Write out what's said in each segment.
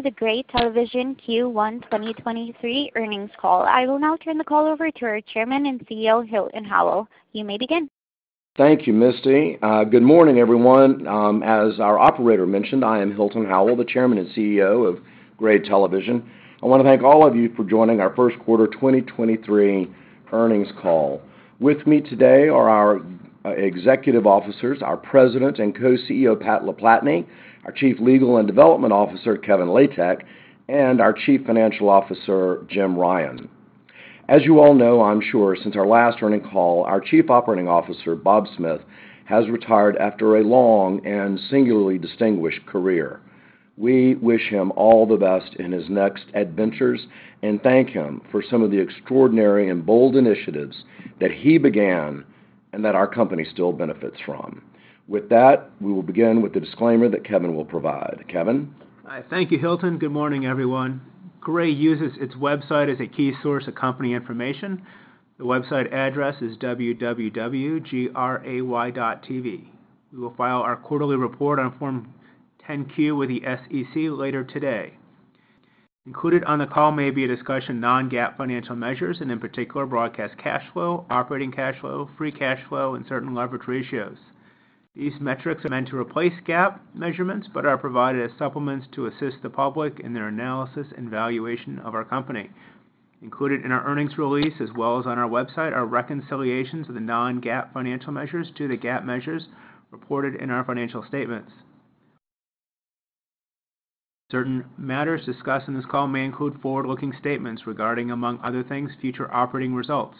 To Gray Television Q1 2023 earnings call. I will now turn the call over to our Chairman and CEO, Hilton Howell. You may begin. Thank you, Misty. Good morning, everyone. As our operator mentioned, I am Hilton Howell, the Chairman and CEO Gray Television. I wanna thank all of you for joining our 1st quarter 2023 earnings call. With me today are our executive officers, our President and Co-CEO, Pat LaPlatney, our Chief Legal and Development Officer, Kevin Latek, and our Chief Financial Officer, James Ryan. As you all know, I'm sure since our last earning call, our Chief Operating Officer, Bob Smith, has retired after a long and singularly distinguished career. We wish him all the best in his next adventures and thank him for some of the extraordinary and bold initiatives that he began and that our company still benefits from. With that, we will begin with the disclaimer that Kevin will provide. Kevin? Hi. Thank you, Hilton. Good morning, everyone. Gray Television uses its website as a key source of company information. The website address is www.gray.tv. We will file our quarterly report on Form 10-Q with the SEC later today. Included on the call may be a discussion non-GAAP financial measures and, in particular, Broadcast Cash Flow, Operating Cash Flow, Free Cash Flow, and certain leverage ratios. These metrics are meant to replace GAAP measurements but are provided as supplements to assist the public in their analysis and valuation of our company. Included in our earnings release, as well as on our website, are reconciliations of the non-GAAP financial measures to the GAAP measures reported in our financial statements. Certain matters discussed in this call may include forward-looking statements regarding, among other things, future operating results.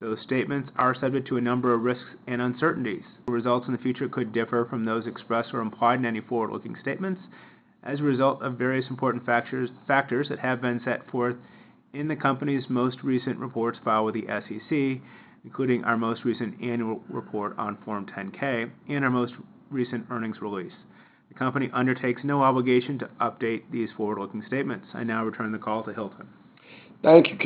Those statements are subject to a number of risks and uncertainties. Results in the future could differ from those expressed or implied in any forward-looking statements as a result of various important factors that have been set forth in the company's most recent reports filed with the SEC, including our most recent annual report on Form 10-K and our most recent earnings release. The company undertakes no obligation to update these forward-looking statements. I now return the call to Hilton. Thank you,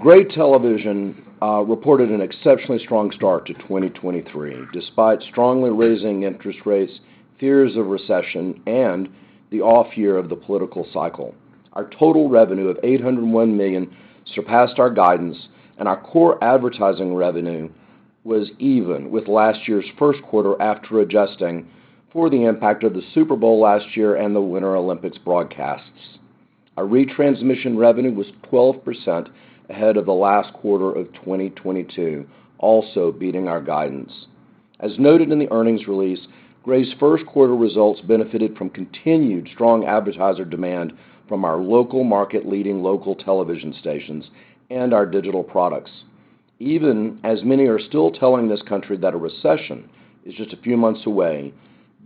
Gray Television reported an exceptionally strong start to 2023 despite strongly raising interest rates, fears of recession, and the off year of the political cycle. Our total revenue of $801 million surpassed our guidance. Our core advertising revenue was even with last year's 1st quarter after adjusting for the impact of the Super Bowl last year and the Winter Olympics broadcasts. Our retransmission revenue was 12% ahead of the last quarter of 2022, also beating our guidance. As noted in the earnings release, Gray Television's 1st quarter results benefited from continued strong advertiser demand from our local market-leading local television stations and our digital products. Even as many are still telling this country that a recession is just a few months away,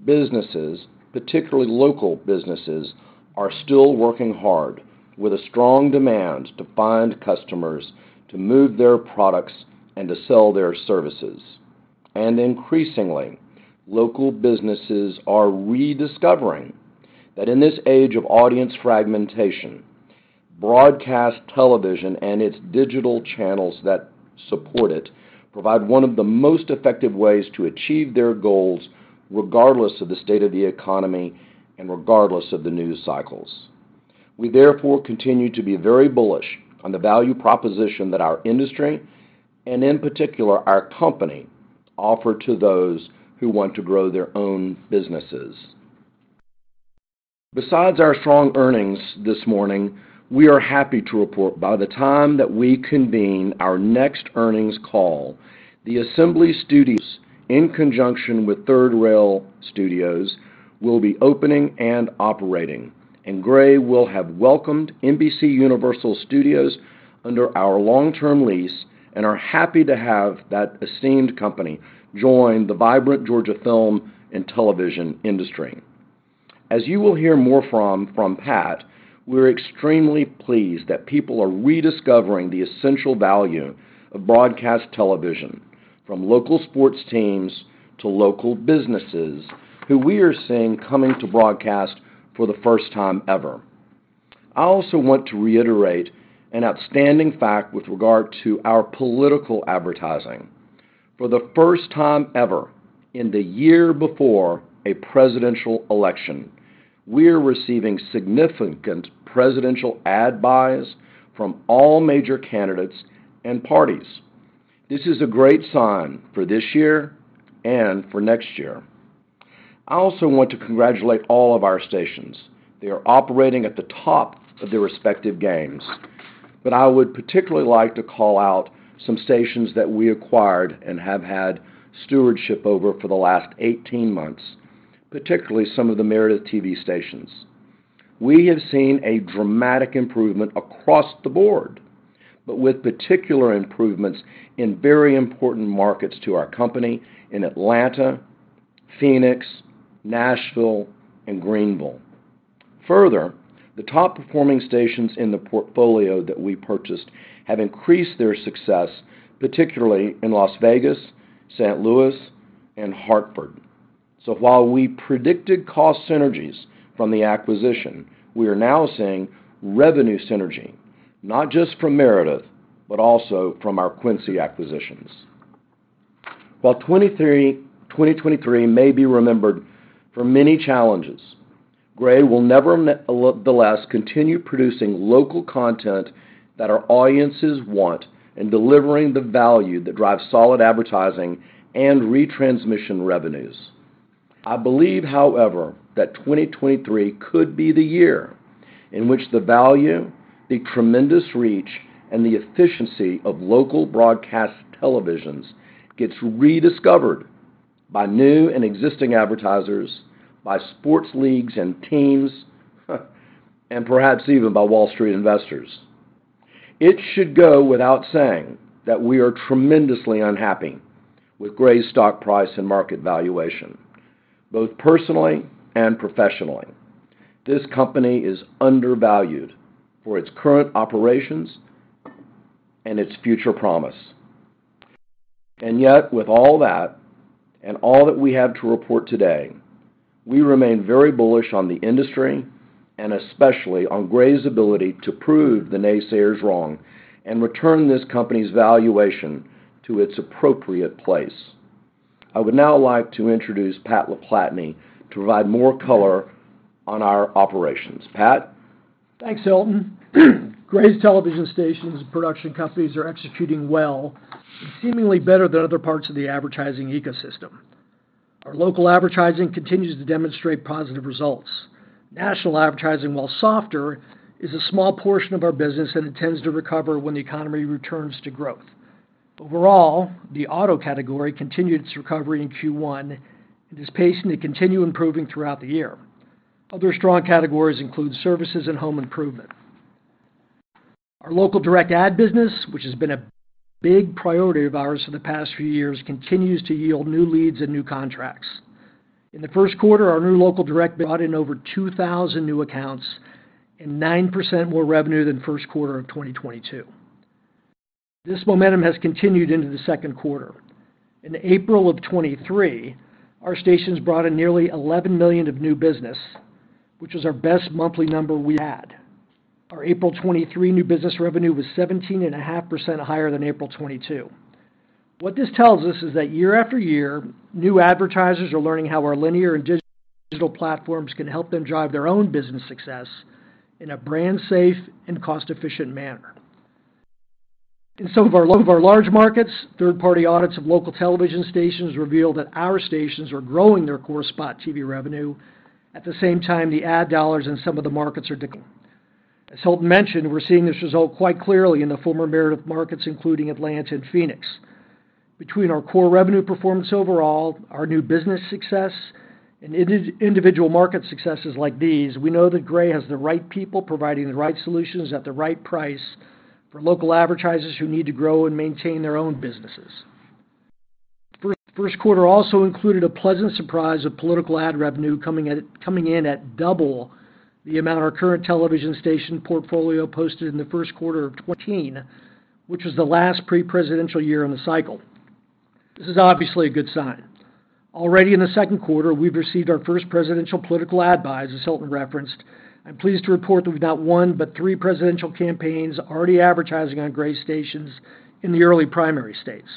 businesses, particularly local businesses, are still working hard with a strong demand to find customers to move their products and to sell their services. Increasingly, local businesses are rediscovering that in this age of audience fragmentation, broadcast television and its digital channels that support it provide one of the most effective ways to achieve their goals regardless of the state of the economy and regardless of the news cycles. We therefore continue to be very bullish on the value proposition that our industry and, in particular, our company offer to those who want to grow their own businesses. Besides our strong earnings this morning, we are happy to report by the time that we convene our next earnings call, the Assembly Studios, in conjunction with Third Rail Studios, will be opening and operating, and Gray Television will have welcomed NBCUniversal Studios under our long-term lease and are happy to have that esteemed company join the vibrant Georgia film and television industry. As you will hear more from Pat, we're extremely pleased that people are rediscovering the essential value of broadcast television from local sports teams to local businesses who we are seeing coming to broadcast for the 1st time ever. I also want to reiterate an outstanding fact with regard to our political advertising. For the 1st time ever in the year before a presidential election, we're receiving significant presidential ad buys from all major candidates and parties. This is a great sign for this year and for next year. I also want to congratulate all of our stations. They are operating at the top of their respective games. I would particularly like to call out some stations that we acquired and have had stewardship over for the last 18 months, particularly some of the Meredith TV stations. We have seen a dramatic improvement across the board, but with particular improvements in very important markets to our company in Atlanta, Phoenix, Nashville, and Greenville. The top performing stations in the portfolio that we purchased have increased their success, particularly in Las Vegas, St. Louis, and Hartford. While we predicted cost synergies from the acquisition, we are now seeing revenue synergy, not just from Meredith, but also from our Quincy acquisitions. While 2023 may be remembered for many challenges, Gray Television will nevertheless continue producing local content that our audiences want and delivering the value that drives solid advertising and retransmission revenues. I believe, however, that 2023 could be the year in which the value, the tremendous reach, and the efficiency of local broadcast televisions gets rediscovered by new and existing advertisers, by sports leagues and teams, and perhaps even by Wall Street investors. It should go without saying that we are tremendously unhappy with Gray Television's stock price and market valuation, both personally and professionally. This company is undervalued for its current operations and its future promise. Yet, with all that and all that we have to report today, we remain very bullish on the industry and especially on Gray Television's ability to prove the naysayers wrong and return this company's valuation to its appropriate place. I would now like to introduce Pat LaPlatney to provide more color on our operations. Pat? Thanks, Hilton. Gray Television's television stations and production companies are executing well and seemingly better than other parts of the advertising ecosystem. Our local advertising continues to demonstrate positive results. National advertising, while softer, is a small portion of our business, and it tends to recover when the economy returns to growth. Overall, the auto category continued its recovery in Q1 and is pacing to continue improving throughout the year. Other strong categories include services and home improvement. Our local direct ad business, which has been a big priority of ours for the past few years, continues to yield new leads and new contracts. In the 1st quarter, our new local direct brought in over 2,000 new accounts and 9% more revenue than 1st quarter of 2022. This momentum has continued into the 2nd quarter. In April of 2023, our stations brought in nearly $11 million of new business, which is our best monthly number we had. Our April 2023 new business revenue was 17.5% higher than April 2022. What this tells us is that year after year, new advertisers are learning how our linear and digital platforms can help them drive their own business success in a brand safe and cost-efficient manner. In some of our large markets, third-party audits of local television stations reveal that our stations are growing their core spot TV revenue. At the same time, the ad dollars in some of the markets are declining. As Hilton mentioned, we're seeing this result quite clearly in the former Meredith markets, including Atlanta and Phoenix. Between our core revenue performance overall, our new business success, and individual market successes like these, we know that Gray Television has the right people providing the right solutions at the right price for local advertisers who need to grow and maintain their own businesses. First quarter also included a pleasant surprise of political ad revenue coming in at double the amount our current television station portfolio posted in the 1st quarter of 2014, which was the last pre-presidential year in the cycle. This is obviously a good sign. Already in the 2nd quarter, we've received our first presidential political ad buy, as Hilton referenced. I'm pleased to report that we've not one, but three presidential campaigns already advertising on Gray Television stations in the early primary states.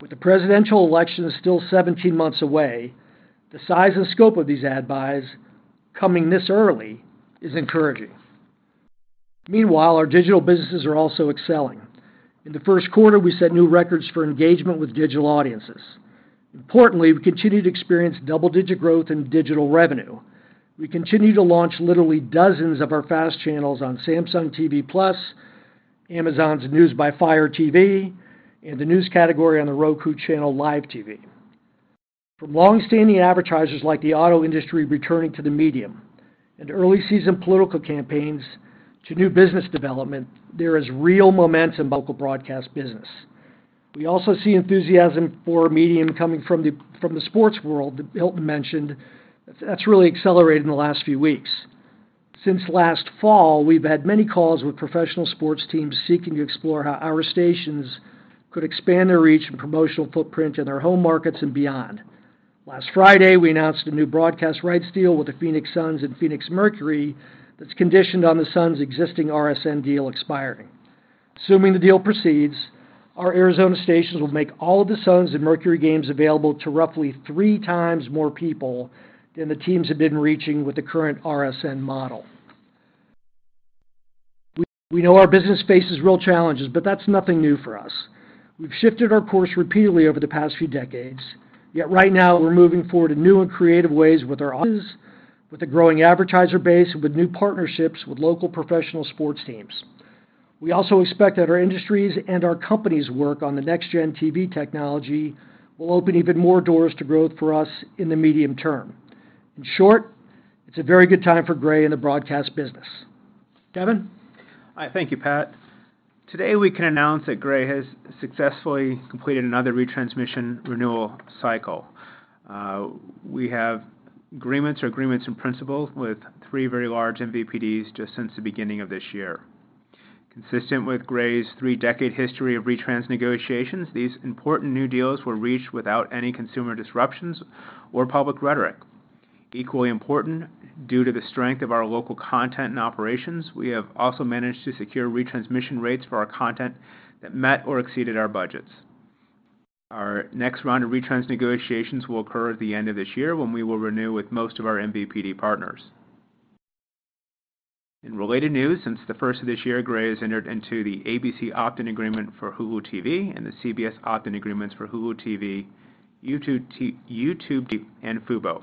With the presidential election still 17 months away, the size and scope of these ad buys coming this early is encouraging. Our digital businesses are also excelling. In the 1st quarter, we set new records for engagement with digital audiences. Importantly, we continue to experience double-digit growth in digital revenue. We continue to launch literally dozens of our FAST channels on Samsung TV Plus, Amazon's News by Fire TV, and the news category on The Roku Channel Live TV. From longstanding advertisers like the auto industry returning to the medium and early season political campaigns to new business development, there is real momentum in local broadcast business. We also see enthusiasm for our medium coming from the sports world that Hilton mentioned. That's really accelerated in the last few weeks. Since last fall, we've had many calls with professional sports teams seeking to explore how our stations could expand their reach and promotional footprint in their home markets and beyond. Last Friday, we announced a new broadcast rights deal with the Phoenix Suns and Phoenix Mercury that's conditioned on the Suns' existing RSN deal expiring. Assuming the deal proceeds, our Arizona stations will make all of the Suns and Mercury games available to roughly three times more people than the teams have been reaching with the current RSN model. We know our business faces real challenges. That's nothing new for us. We've shifted our course repeatedly over the past few decades, yet right now we're moving forward in new and creative ways with our audiences, with a growing advertiser base, with new partnerships with local professional sports teams. We also expect that our industries and our company's work on the NextGen TV technology will open even more doors to growth for us in the medium term. In short, it's a very good time for Gray Television in the broadcast business. Kevin? Hi. Thank you, Pat. Today, we can announce that Gray Television has successfully completed another retransmission renewal cycle. We have agreements or agreements in principle with three very large MVPDs just since the beginning of this year. Consistent with Gray Television's three-decade history of retransmission negotiations, these important new deals were reached without any consumer disruptions or public rhetoric. Equally important, due to the strength of our local content and operations, we have also managed to secure retransmission rates for our content that met or exceeded our budgets. Our next round of retransmission negotiations will occur at the end of this year when we will renew with most of our MVPD partners. In related news, since the 1st of this year, Gray Television has entered into the ABC opt-in agreement for Hulu TV and the CBS opt-in agreements for Hulu TV, YouTube TV and Fubo.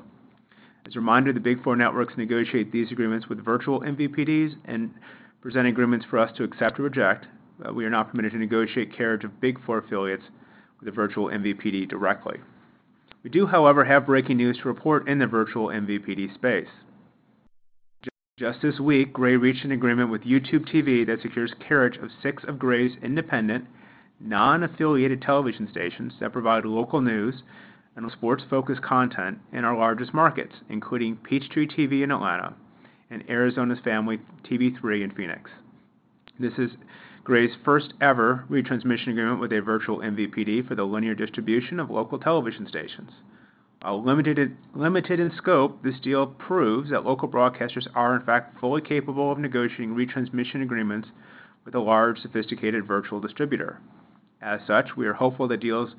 A reminder, the Big Four networks negotiate these agreements with virtual MVPDs and present agreements for us to accept or reject, we are not permitted to negotiate carriage of Big Four affiliates with a virtual MVPD directly. We do, however, have breaking news to report in the virtual MVPD space. Just this week, Gray Television reached an agreement with YouTube TV that secures carriage of six of Gray Television's independent, non-affiliated television stations that provide local news and sports-focused content in our largest markets, including Peachtree TV in Atlanta and Arizona's Family 3TV in Phoenix. This is Gray Television's 1st-ever retransmission agreement with a virtual MVPD for the linear distribution of local television stations. While limited in scope, this deal proves that local broadcasters are, in fact, fully capable of negotiating retransmission agreements with a large, sophisticated virtual distributor. As such, we are hopeful that deals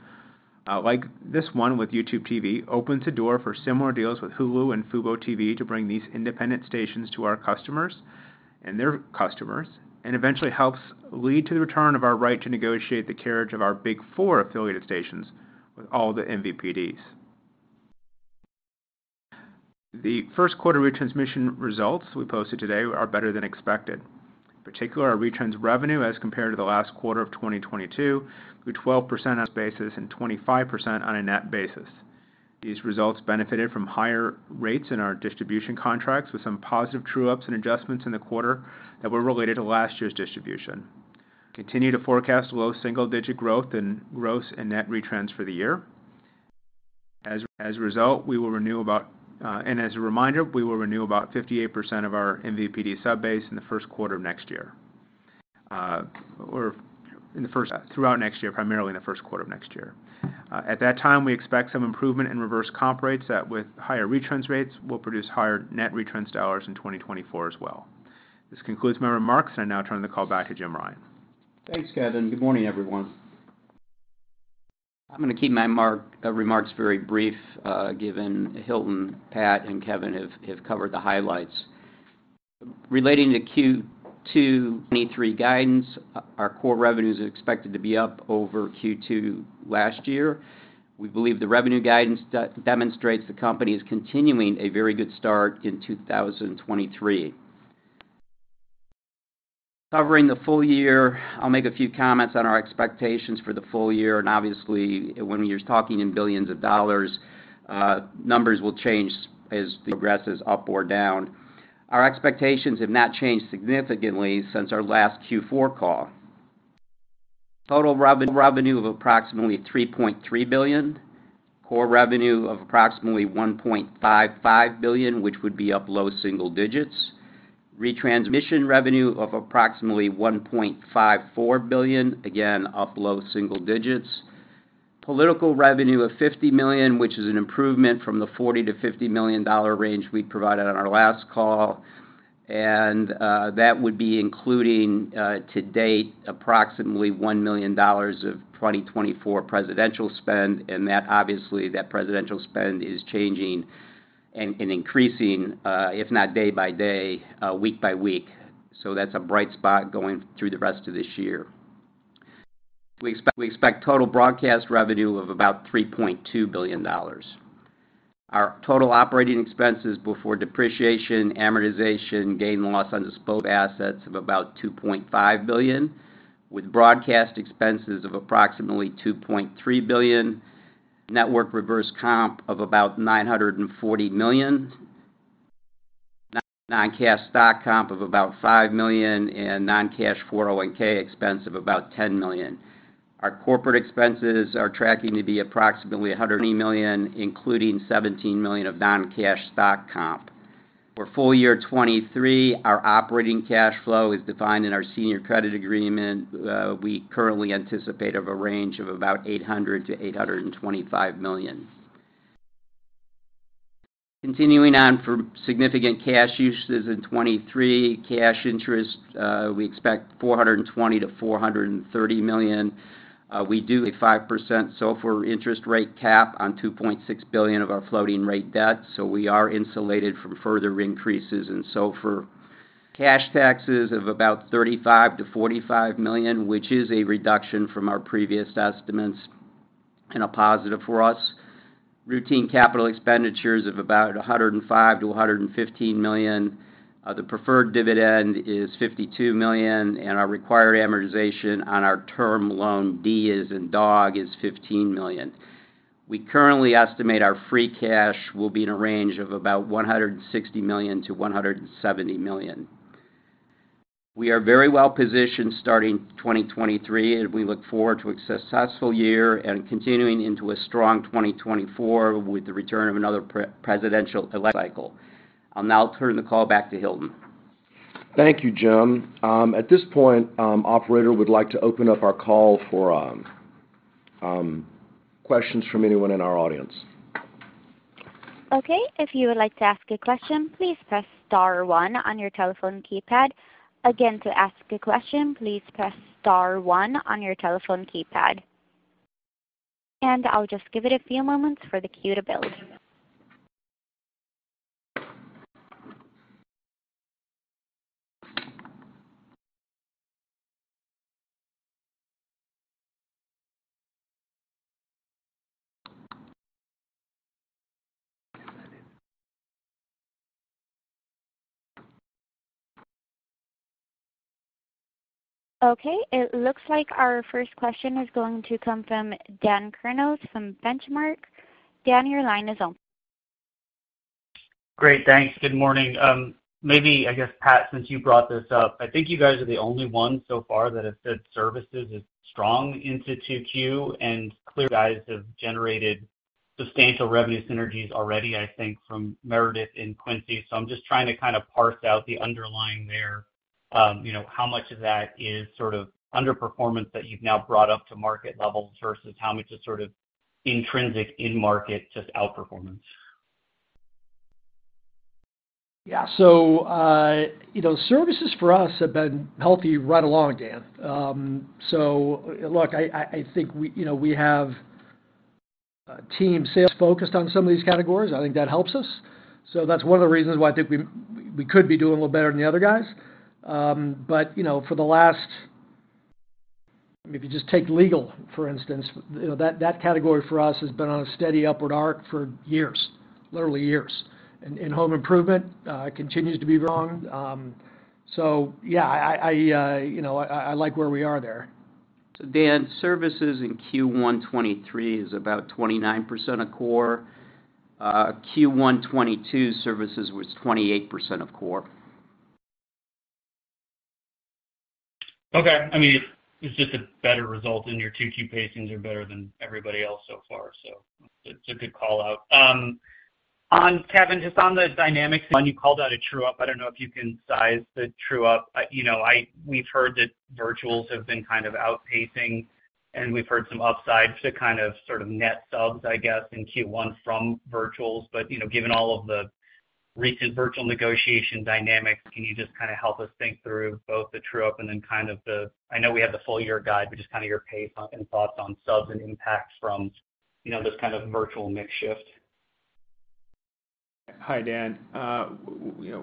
like this one with YouTube TV opens the door for similar deals with Hulu and Fubo TV to bring these independent stations to our customers and their customers, and eventually helps lead to the return of our right to negotiate the carriage of our Big Four affiliated stations with all the MVPDs. The 1st quarter retransmission results we posted today are better than expected. In particular, our retransmission revenue as compared to the last quarter of 2022 grew 12% on this basis and 25% on a net basis. These results benefited from higher rates in our distribution contracts with some positive true-ups and adjustments in the quarter that were related to last year's distribution. Continue to forecast low single-digit growth in gross and net retransmission for the year. As a result, we will renew about 58% of our MVPD sub-base in the 1st quarter of next year, or throughout next year, primarily in the 1st quarter of next year. At that time, we expect some improvement in reverse comp rates that with higher retransmission rates will produce higher net retransmission dollars in 2024 as well. This concludes my remarks. I now turn the call back to James Ryan. Thanks, Kevin. Good morning, everyone. I'm gonna keep my remarks very brief, given Hilton, Pat, and Kevin have covered the highlights. Relating to Q2 2023 guidance, our core revenue is expected to be up over Q2 last year. We believe the revenue guidance demonstrates the company is continuing a very good start in 2023. Covering the full year, I'll make a few comments on our expectations for the full year. Obviously when you're talking in billions of dollars, numbers will change as the year progresses up or down. Our expectations have not changed significantly since our last Q4 call. Total revenue of approximately $3.3 billion. Core revenue of approximately $1.55 billion, which would be up low single digits. Retransmission revenue of approximately $1.54 billion, again, up low single digits. Political revenue of $50 million, which is an improvement from the $40 million-$50 million range we provided on our last call. That would be including to date approximately $1 million of 2024 presidential spend, and that obviously, that presidential spend is changing and increasing, if not day by day, week by week. That's a bright spot going through the rest of this year. We expect total broadcast revenue of about $3.2 billion. Our total operating expenses before depreciation, amortization, gain and loss on disposed assets of about $2.5 billion, with broadcast expenses of approximately $2.3 billion, network reverse comp of about $940 million, non-cash stock comp of about $5 million, and non-cash 401(k) expense of about $10 million. Our corporate expenses are tracking to be approximately $120 million, including $17 million of non-cash stock comp. For full year 2023, our Operating Cash Flow as defined in our Senior Credit Agreement. We currently anticipate of a range of about $800 million-$825 million. Continuing on for significant cash uses in 2023, cash interest, we expect $420 million-$430 million. We do have a 5% SOFR interest rate cap on $2.6 billion of our floating rate debt, so we are insulated from further increases in SOFR. Cash taxes of about $35 million-$45 million, which is a reduction from our previous estimates and a positive for us. Routine capital expenditures of about $105 million-$115 million. The preferred dividend is $52 million. Our required amortization on our Term Loan D as in dog is $15 million. We currently estimate our free cash will be in a range of about $160 million-$170 million. We are very well-positioned starting 2023. We look forward to a successful year and continuing into a strong 2024 with the return of another pre-presidential election cycle. I'll now turn the call back to Hilton. Thank you, Jim. At this point, operator would like to open up our call for questions from anyone in our audience. Okay. If you would like to ask a question, please press star one on your telephone keypad. Again, to ask a question, please press star one on your telephone keypad. I'll just give it a few moments for the queue to build. Okay. It looks like our first question is going to come from Daniel Kurnos from Benchmark. Dan, your line is open. Great. Thanks. Good morning. Maybe I guess, Pat, since you brought this up, I think you guys are the only ones so far that have said services is strong into 2Q. Clear guys have generated substantial revenue synergies already, I think, from Meredith in Quincy. I'm just trying to kind of parse out the underlying there, you know, how much of that is sort of underperformance that you've now brought up to market levels versus how much is sort of intrinsic in market, just outperformance. Yeah. You know, services for us have been healthy right along, Dan. Look, I think we, you know, we have a team sales focused on some of these categories. I think that helps us. That's one of the reasons why I think we could be doing a little better than the other guys. You know, for the last, if you just take legal, for instance, you know, that category for us has been on a steady upward arc for years, literally years. And home improvement continues to be strong. Yeah, I, you know, I like where we are there. Dan, services in Q1 2023 is about 29% of core. Q1 2022 services was 28% of core. Okay. I mean, it's just a better result, and your 2Q pacings are better than everybody else so far. It's a good call-out. Kevin, just on the dynamics, and you called out a true-up. I don't know if you can size the true-up. You know, We've heard that virtuals have been kind of outpacing, and we've heard some upsides to kind of sort of net subs, I guess, in Q1 from virtuals. You know, given all of the recent virtual negotiation dynamics, can you just kinda help us think through both the true-up and then kind of the... I know we have the full year guide, but just kinda your pace and thoughts on subs and impacts from, you know, this kind of virtual mix shift? Hi, Dan.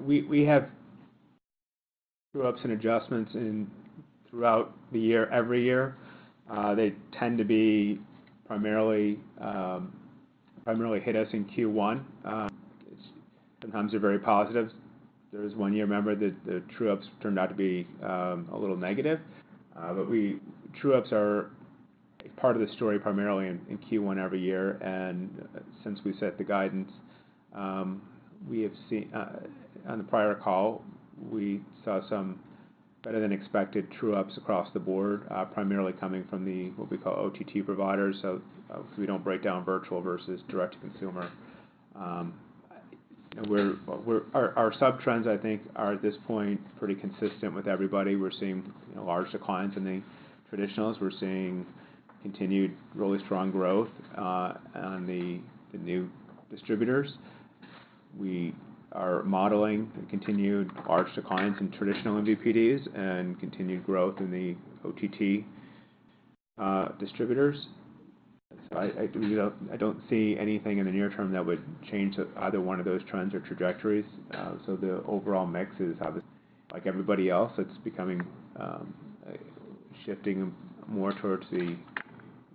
We have true-ups and adjustments throughout the year every year. They tend to be primarily hit us in Q1. It's sometimes they're very positive. There is one year, remember, that the true-ups turned out to be a little negative. We. True-ups are part of the story primarily in Q1 every year. Since we set the guidance, we have seen on the prior call, we saw some better than expected true-ups across the board, primarily coming from the, what we call OTT providers. We don't break down virtual versus direct-to-consumer. Our sub-trends, I think are at this point, pretty consistent with everybody. We're seeing, you know, large declines in the traditionals. We're seeing continued really strong growth on the new distributors. We are modeling the continued large declines in traditional MVPDs and continued growth in the OTT distributors. I, you know, I don't see anything in the near term that would change either one of those trends or trajectories. The overall mix is obviously like everybody else. It's becoming shifting more towards the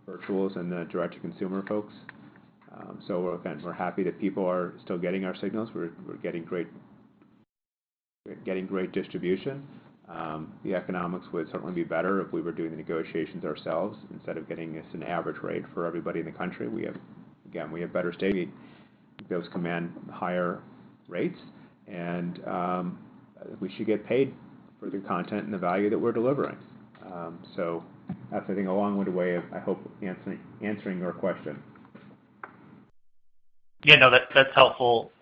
virtuals and the direct-to-consumer folks. Again, we're happy that people are still getting our signals. We're getting great distribution. The economics would certainly be better if we were doing the negotiations ourselves instead of getting just an average rate for everybody in the country. Again, we have better stated those command higher rates. We should get paid for the content and the value that we're delivering. That's, I think, a long-winded way of, I hope, answering your question. Yeah. No, that's helpful.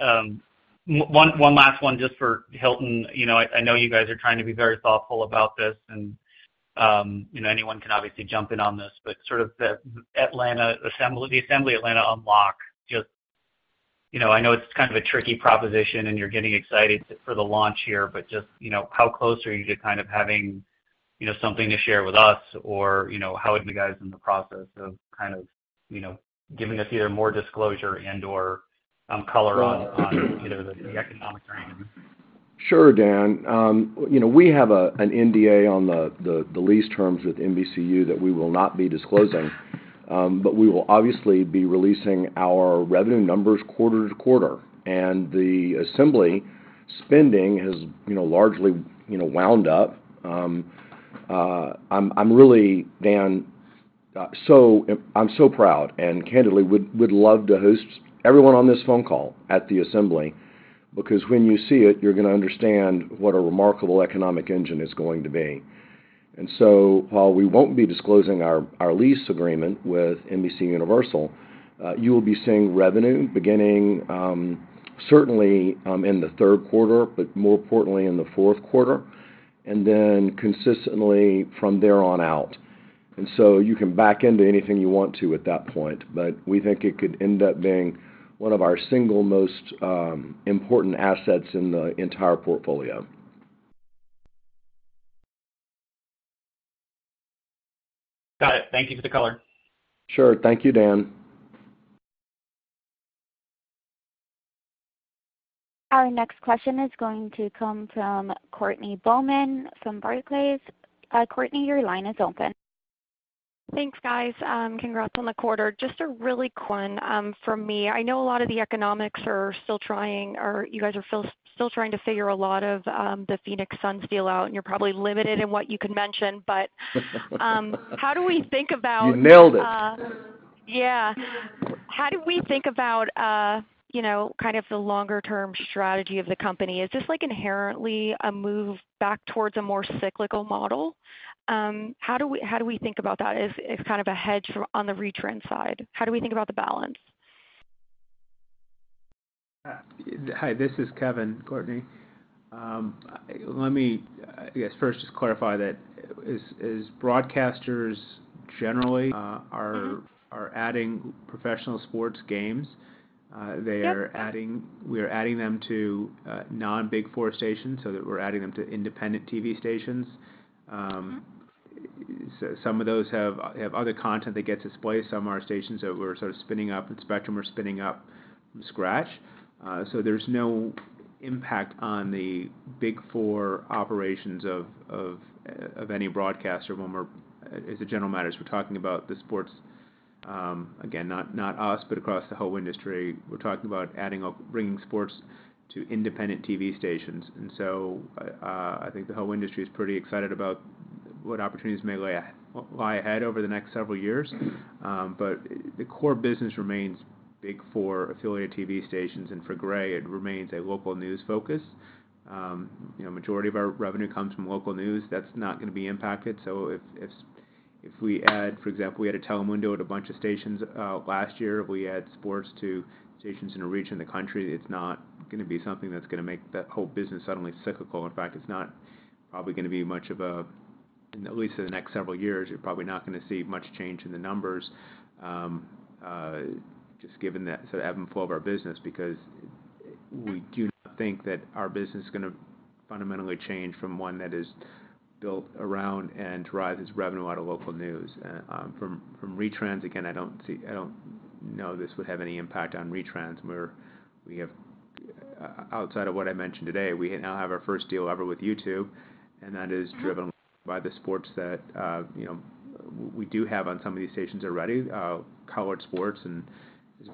One last one just for Hilton. You know, I know you guys are trying to be very thoughtful about this and, you know, anyone can obviously jump in on this. Sort of the Atlanta Assembly, The Assembly Atlanta unlock just. You know, I know it's kind of a tricky proposition, and you're getting excited for the launch here, but just, you know, how close are you to kind of having, you know, something to share with us or, you know, how would you guys in the process of kind of, you know, giving us either more disclosure and/or, color on, you know, the economic frame? Sure, Dan. you know, we have an NDA on the lease terms with NBCU that we will not be disclosing. We will obviously be releasing our revenue numbers quarter to quarter. The Assembly spending has, you know, largely, you know, wound up. I'm really, Dan, I'm so proud and candidly would love to host everyone on this phone call at the Assembly because when you see it, you're gonna understand what a remarkable economic engine it's going to be. While we won't be disclosing our lease agreement with NBCUniversal, you will be seeing revenue beginning, certainly, in the third quarter, but more importantly in the 4th quarter, and then consistently from there on out. You can back into anything you want to at that point. We think it could end up being one of our single most important assets in the entire portfolio. Got it. Thank you for the color. Sure. Thank you, Dan. Our next question is going to come from Courtney Bowman from Barclays. Courtney, your line is open. Thanks, guys. Congrats on the quarter. Just a really quick one, from me. I know a lot of the economics are still trying, or you guys are still trying to figure a lot of the Phoenix Suns deal out, and you're probably limited in what you can mention. How do we think about? You nailed it. Yeah. How do we think about, you know, kind of the longer-term strategy of the company? Is this, like, inherently a move back towards a more cyclical model? How do we think about that as kind of a hedge on the retransmission side? How do we think about the balance? Hi, this is Kevin, Courtney. Let me, I guess, first just clarify that as broadcasters generally. Mm-hmm are adding professional sports games, Yep we are adding them to non-Big Four stations so that we're adding them to independent TV stations. Mm-hmm Some of those have other content that gets displayed. Some are stations that we're sort of spinning up, and Spectrum are spinning up from scratch. There's no impact on the Big Four operations of any broadcaster. As a general matter, as we're talking about the sports, again, not us, but across the whole industry. We're talking about bringing sports to independent TV stations. So, I think the whole industry is pretty excited about what opportunities may lie ahead over the next several years. The core business remains Big Four affiliate TV stations and for Gray Television. It remains a local news focus. You know, majority of our revenue comes from local news. That's not gonna be impacted. If we add, for example, we had a Telemundo at a bunch of stations last year, we add sports to stations in a region in the country, it's not gonna be something that's gonna make the whole business suddenly cyclical. In fact, it's not probably gonna be. At least in the next several years, you're probably not gonna see much change in the numbers, just given the ebb and flow of our business because we do not think that our business is gonna fundamentally change from one that is built around and derives its revenue out of local news. From retransmission, again, I don't know this would have any impact on retransmission. We have, outside of what I mentioned today, we now have our first deal ever with YouTube, and that is driven by the sports that, you know, we do have on some of these stations already, college sports, and it's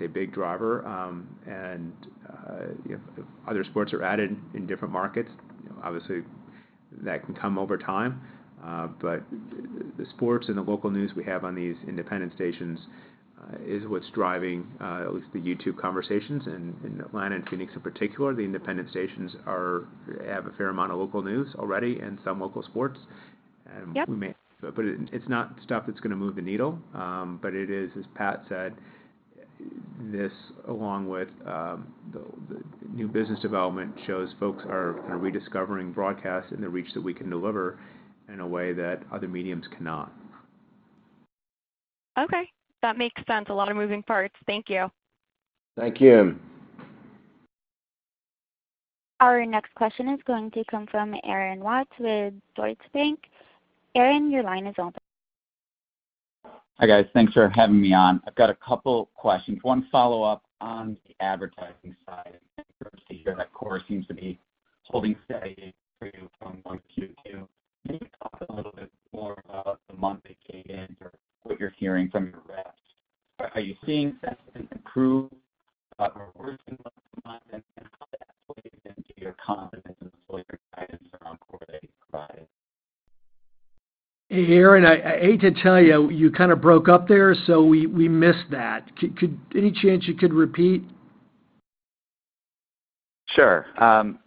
a big driver. If other sports are added in different markets, obviously that can come over time. The sports and the local news we have on these independent stations is what's driving at least the YouTube conversations. In Atlanta and Phoenix in particular, the independent stations have a fair amount of local news already and some local sports. Yep... we may, but it's not stuff that's gonna move the needle. It is, as Pat said, this, along with the new business development, shows folks are kind of rediscovering broadcast and the reach that we can deliver in a way that other mediums cannot. Okay. That makes sense. A lot of moving parts. Thank you. Thank you. Our next question is going to come from Aaron Watts with Deutsche Bank. Aaron, your line is open. Hi, guys. Thanks for having me on. I've got a couple questions. One follow-up on the advertising side procedure. That core seems to be holding steady for you from 1Q to Q. Can you talk a little bit more about the monthly cadence or what you're hearing from your reps? Are you seeing sentiment improve or worsen month to month, and how that plays into your confidence in full year guidance around core that you provided? Hey, Aaron, I hate to tell you kinda broke up there, so we missed that. Any chance you could repeat? Sure. Okay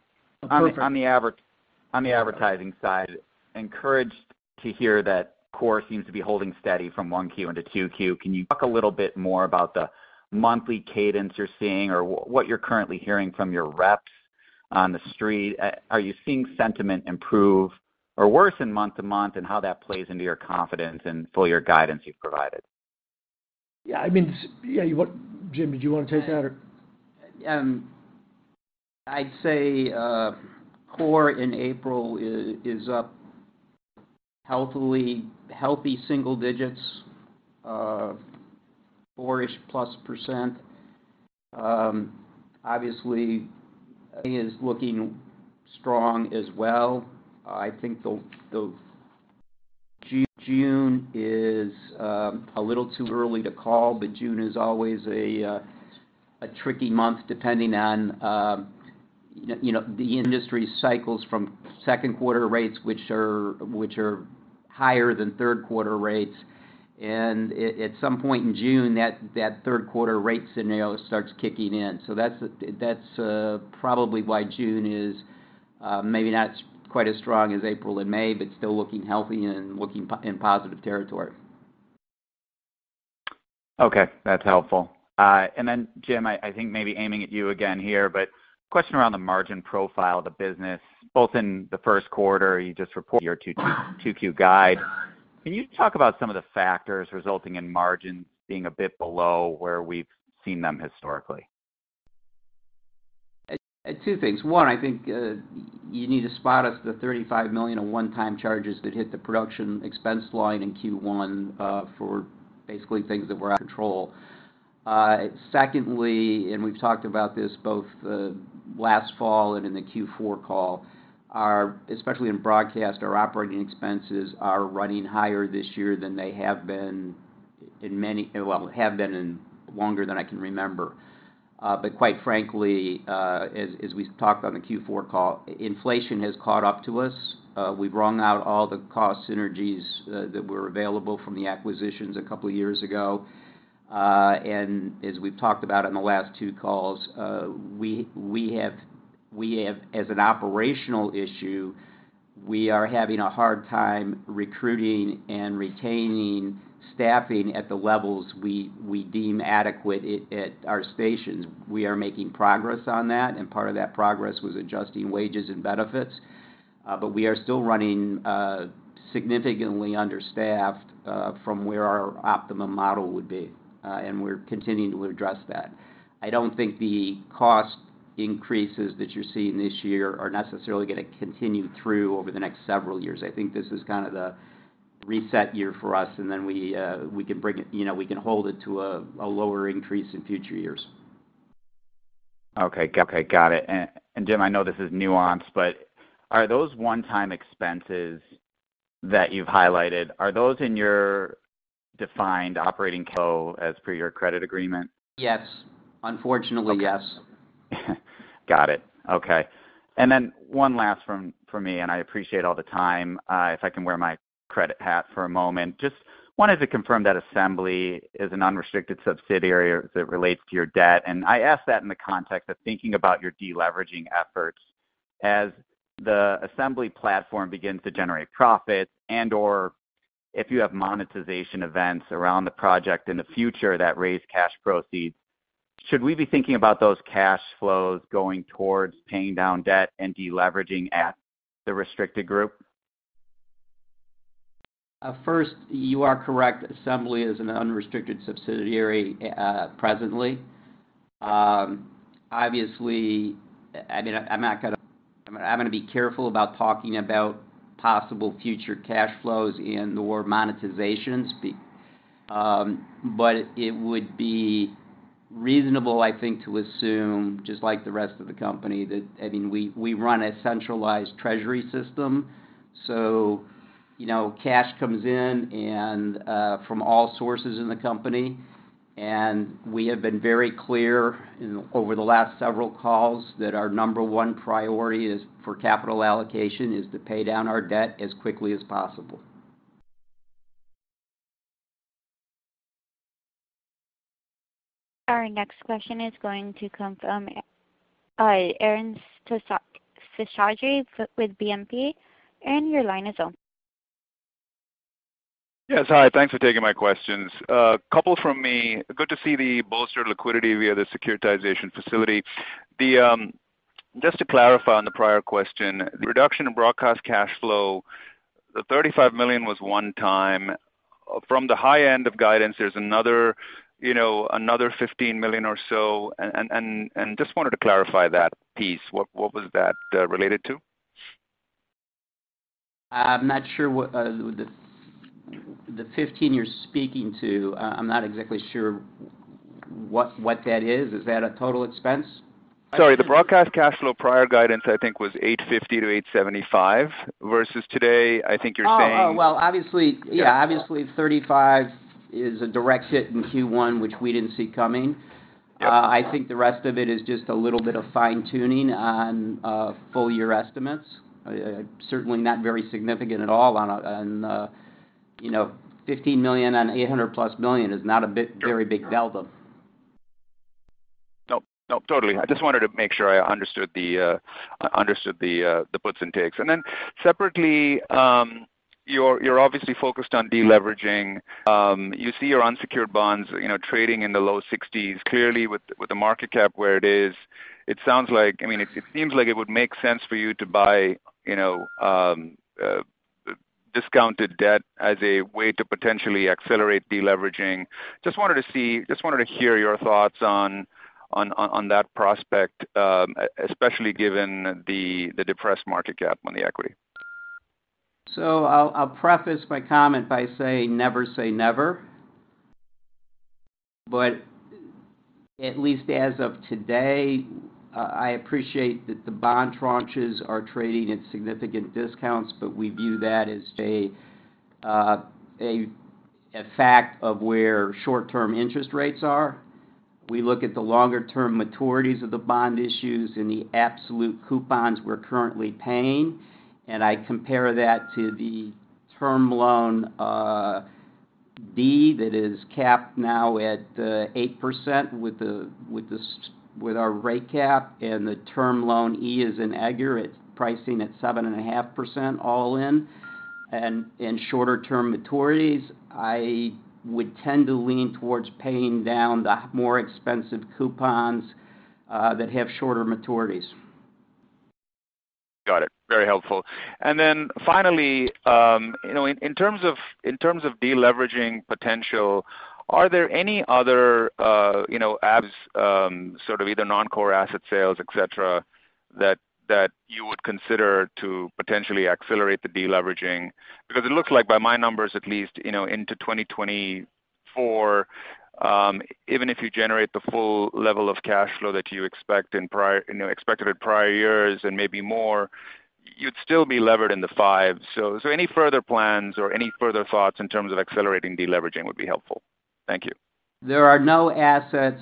on the advertising side, encouraged to hear that core seems to be holding steady from 1Q into 2Q. Can you talk a little bit more about the monthly cadence you're seeing or what you're currently hearing from your reps on the street? Are you seeing sentiment improve or worsen month to month, and how that plays into your confidence in full year guidance you've provided? Yeah, I mean, yeah, what, Jim, did you wanna take that or? I'd say core in April is up healthily, healthy single digits, 4-ish %+. Obviously is looking strong as well. I think June is a little too early to call, but June is always a tricky month depending on, you know, the industry cycles from 2nd quarter rates, which are higher than third quarter rates. At some point in June, third quarter rate scenario starts kicking in. That's probably why June is maybe not quite as strong as April and May, but still looking healthy and looking in positive territory. Okay. That's helpful. Jim, I think maybe aiming at you again here, but question around the margin profile of the business, both in the 1st quarter you just reported your 2Q guide. Can you talk about some of the factors resulting in margins being a bit below where we've seen them historically? Two things. One, I think, you need to spot us the $35 million in one-time charges that hit the production expense line in Q1 for basically things that were out of control. Secondly, we've talked about this both last fall and in the Q4 call, our, especially in broadcast, our operating expenses are running higher this year than they have been in well, longer than I can remember. Quite frankly, as we talked on the Q4 call, inflation has caught up to us. We've wrung out all the cost synergies that were available from the acquisitions a couple years ago. As we've talked about in the last two calls, we have as an operational issue, we are having a hard time recruiting and retaining staffing at the levels we deem adequate at our stations. We are making progress on that, and part of that progress was adjusting wages and benefits. We are still running, significantly understaffed, from where our optimum model would be, and we're continuing to address that. I don't think the cost increases that you're seeing this year are necessarily gonna continue through over the next several years. I think this is kind of the reset year for us, and then we can bring it, you know, we can hold it to a lower increase in future years. Okay. Okay. Got it. Jim, I know this is nuanced, but are those one-time expenses that you've highlighted, are those in your defined operating co as per your credit agreement? Yes. Unfortunately, yes. Got it. Okay. One last for me. I appreciate all the time. If I can wear my credit hat for a moment, just wanted to confirm that Assembly is an unrestricted subsidiary as it relates to your debt. I ask that in the context of thinking about your deleveraging efforts as the Assembly platform begins to generate profits and/or if you have monetization events around the project in the future that raise cash proceeds, should we be thinking about those cash flows going towards paying down debt and deleveraging at the restricted group? First, you are correct. Assembly is an unrestricted subsidiary, presently. Obviously, I mean, I'm gonna be careful about talking about possible future cash flows and or monetizations. It would be reasonable, I think, to assume just like the rest of the company that, I mean, we run a centralized treasury system, so, you know, cash comes in and from all sources in the company. We have been very clear over the last several calls that our number one priority is for capital allocation is to pay down our debt as quickly as possible. Our next question is going to come from, Arun Seshadri with BNP. Arun, your line is open. Yes. Hi, thanks for taking my questions. A couple from me. Good to see the bolstered liquidity via the Securitization Facility. Just to clarify on the prior question, the reduction in Broadcast Cash Flow, the $35 million was one time. From the high end of guidance, there's another, you know, another $15 million or so. Just wanted to clarify that piece. What was that related to? I'm not sure what, the 15 you're speaking to, I'm not exactly sure what that is. Is that a total expense? Sorry. The Broadcast Cash Flow prior guidance, I think was $850-$875 versus today, I think you're saying- Oh, well, obviously, yeah, obviously $35 is a direct hit in Q1, which we didn't see coming. Yep. I think the rest of it is just a little bit of fine-tuning on full year estimates. Certainly not very significant at all on, you know, $15 million on $800+ million is not a big, very big delta. Nope. Nope. Totally. I just wanted to make sure I understood the puts and takes. Separately, you're obviously focused on deleveraging. You see your unsecured bonds, you know, trading in the low 60s. Clearly with the market cap where it is, it sounds like, I mean, it seems like it would make sense for you to buy, you know, discounted debt as a way to potentially accelerate deleveraging. Just wanted to hear your thoughts on that prospect, especially given the depressed market cap on the equity. I'll preface my comment by saying never say never. At least as of today, I appreciate that the bond tranches are trading at significant discounts, but we view that as a fact of where short-term interest rates are. We look at the longer term maturities of the bond issues and the absolute coupons we're currently paying, and I compare that to the Term Loan B that is capped now at 8% with our rate cap, and the Term Loan E is in SOFR. It's pricing at 7.5% all in and shorter term maturities. I would tend to lean towards paying down the more expensive coupons that have shorter maturities. Got it. Very helpful. Then finally, you know, in terms of deleveraging potential, are there any other, you know, as sort of either non-core asset sales, et cetera, that you would consider to potentially accelerate the deleveraging? It looks like by my numbers at least, you know, into 2024, even if you generate the full level of cash flow that you expect in prior, you know, expected in prior years and maybe more, you'd still be levered in the five. Is there any further plans or any further thoughts in terms of accelerating deleveraging would be helpful. Thank you. There are no assets,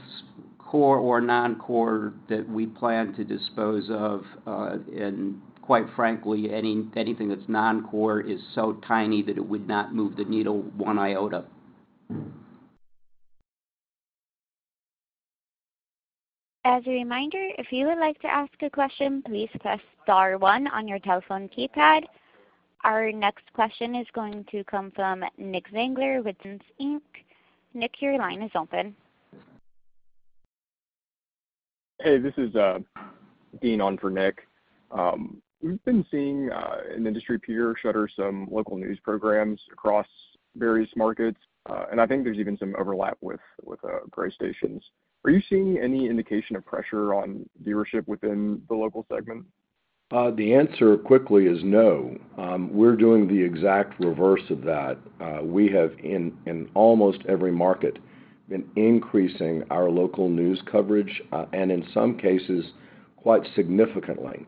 core or non-core, that we plan to dispose of. Quite frankly, anything that's non-core is so tiny that it would not move the needle one iota. As a reminder, if you would like to ask a question, please press star one on your telephone keypad. Our next question is going to come from Nick Zangler with Stephens Inc.. Nick, your line is open. Hey, this is Dean on for Nick. We've been seeing an industry peer shutter some local news programs across various markets, and I think there's even some overlap with Gray Television stations. Are you seeing any indication of pressure on viewership within the local segment? The answer quickly is no. We're doing the exact reverse of that. We have in almost every market been increasing our local news coverage, and in some cases quite significantly.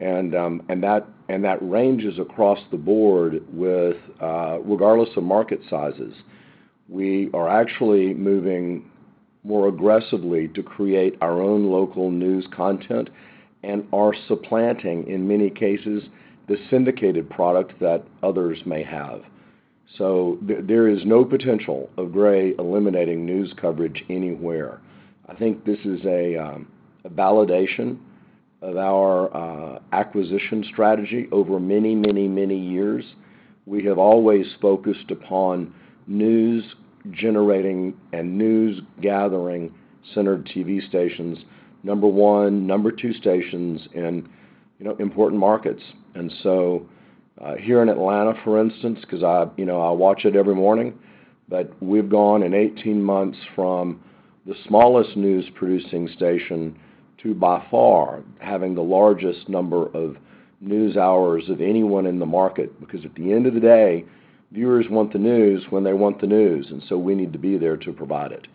That ranges across the board with, regardless of market sizes. We are actually moving more aggressively to create our own local news content and are supplanting, in many cases, the syndicated product that others may have. There is no potential of Gray Television eliminating news coverage anywhere. I think this is a validation of our acquisition strategy over many years. We have always focused upon news-generating and news-gathering centered TV stations, number one, number two stations in, you know, important markets. Here in Atlanta, for instance, because I, you know, I watch it every morning, but we've gone in 18 months from the smallest news producing station to by far having the largest number of news hours of anyone in the market. Because at the end of the day, viewers want the news when they want the news, and so we need to be there to provide it.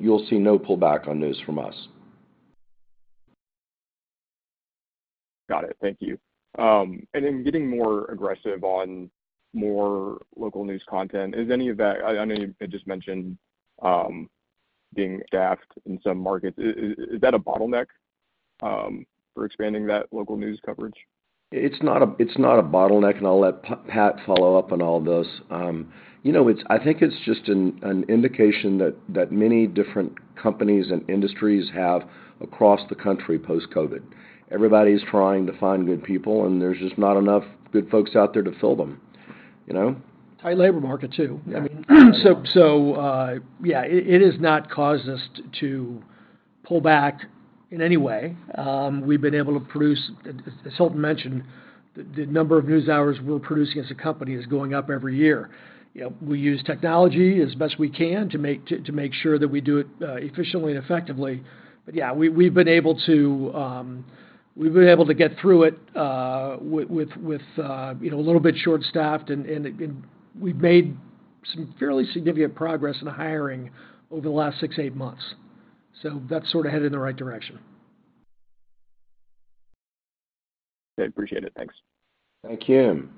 You'll see no pullback on news from us. Got it. Thank you. Getting more aggressive on more local news content, is any of that I know you had just mentioned, being staffed in some markets? Is that a bottleneck for expanding that local news coverage? It's not a, it's not a bottleneck, and I'll let Pat follow up on all this. You know, I think it's just an indication that many different companies and industries have across the country post-COVID. Everybody's trying to find good people, and there's just not enough good folks out there to fill them, you know? Tight labor market too. Yeah. I mean, so, yeah, it has not caused us to pull back in any way. We've been able to produce, as Hilton mentioned, the number of news hours we're producing as a company is going up every year. You know, we use technology as best we can to make sure that we do it efficiently and effectively. Yeah, we've been able to get through it with, you know, a little bit short-staffed, again, we've made some fairly significant progress in hiring over the last six, eight months. That's sort of headed in the right direction. Okay, appreciate it. Thanks. Thank you.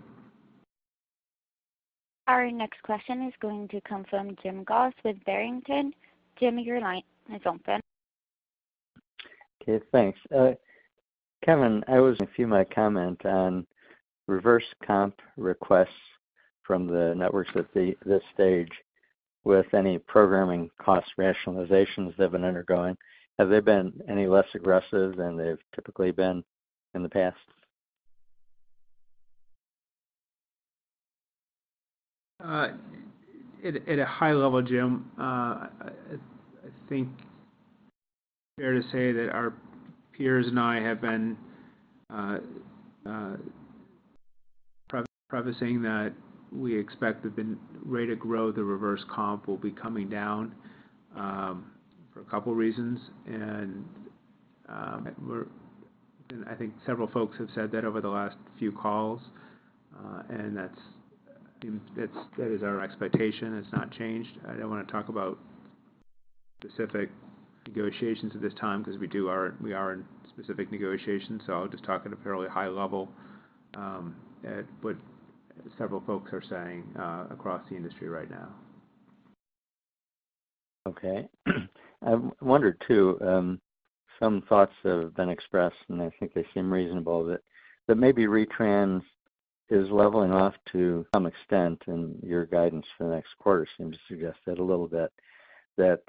Our next question is going to come from Jim Goss with Barrington. Jim, your line is open. Okay, thanks. Kevin, a few might comment on reverse comp requests from the networks at this stage with any programming cost rationalizations they've been undergoing. Have they been any less aggressive than they've typically been in the past? At a high level, Jim, I think fair to say that our peers and I have been prefacing that we expect the rate of growth of reverse comp will be coming down for a couple reasons. I think several folks have said that over the last few calls, and that is our expectation. It's not changed. I don't wanna talk about specific negotiations at this time because we are in specific negotiations, so I'll just talk at a fairly high level. Several folks are saying across the industry right now. Okay. I wondered too, some thoughts have been expressed, and I think they seem reasonable, that maybe retransmission is leveling off to some extent, and your guidance for the next quarter seems to suggest that a little bit.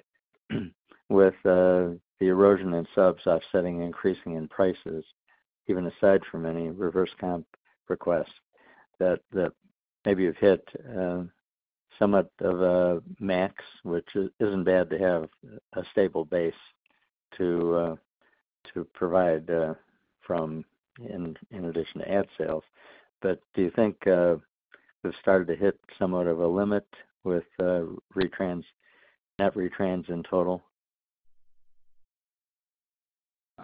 That with the erosion in subs offsetting increasing in prices, even aside from any reverse comp requests, that maybe you've hit somewhat of a max, which isn't bad to have a stable base to provide from in addition to ad sales. Do you think you've started to hit somewhat of a limit with retransmission,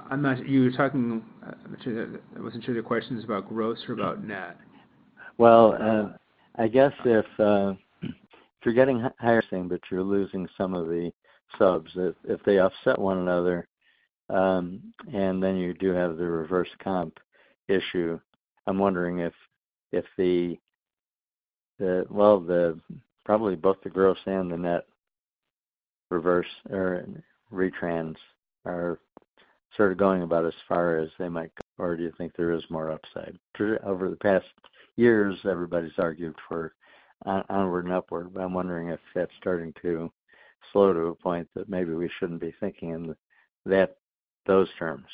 net retransmission in total? I'm not sure. I wasn't sure the question is about gross or about net. Well, I guess if you're getting pricing, but you're losing some of the subs, if they offset one another, and then you do have the reverse comp issue, I'm wondering if the... Well, the probably both the gross and the net reverse or retransmission are sort of going about as far as they might, or do you think there is more upside? Over the past years, everybody's argued for, onward and upward, but I'm wondering if that's starting to slow to a point that maybe we shouldn't be thinking in that, those terms.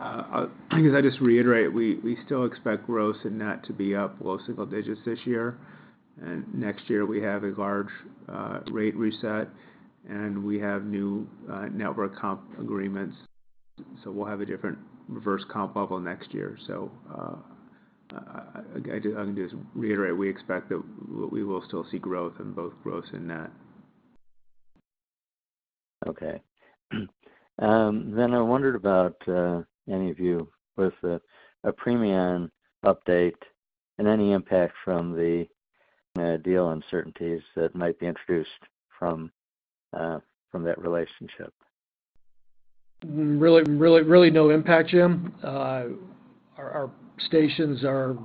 I guess, I just reiterate, we still expect gross and net to be up low single digits this year. Next year we have a large rate reset, and we have new network comp agreements, so we'll have a different reverse comp bubble next year. I can just reiterate, we expect that we will still see growth in both gross and net. Okay. I wondered about any of you with a Premion update and any impact from the deal uncertainties that might be introduced from that relationship. Really, really, really no impact, Jim. Our stations are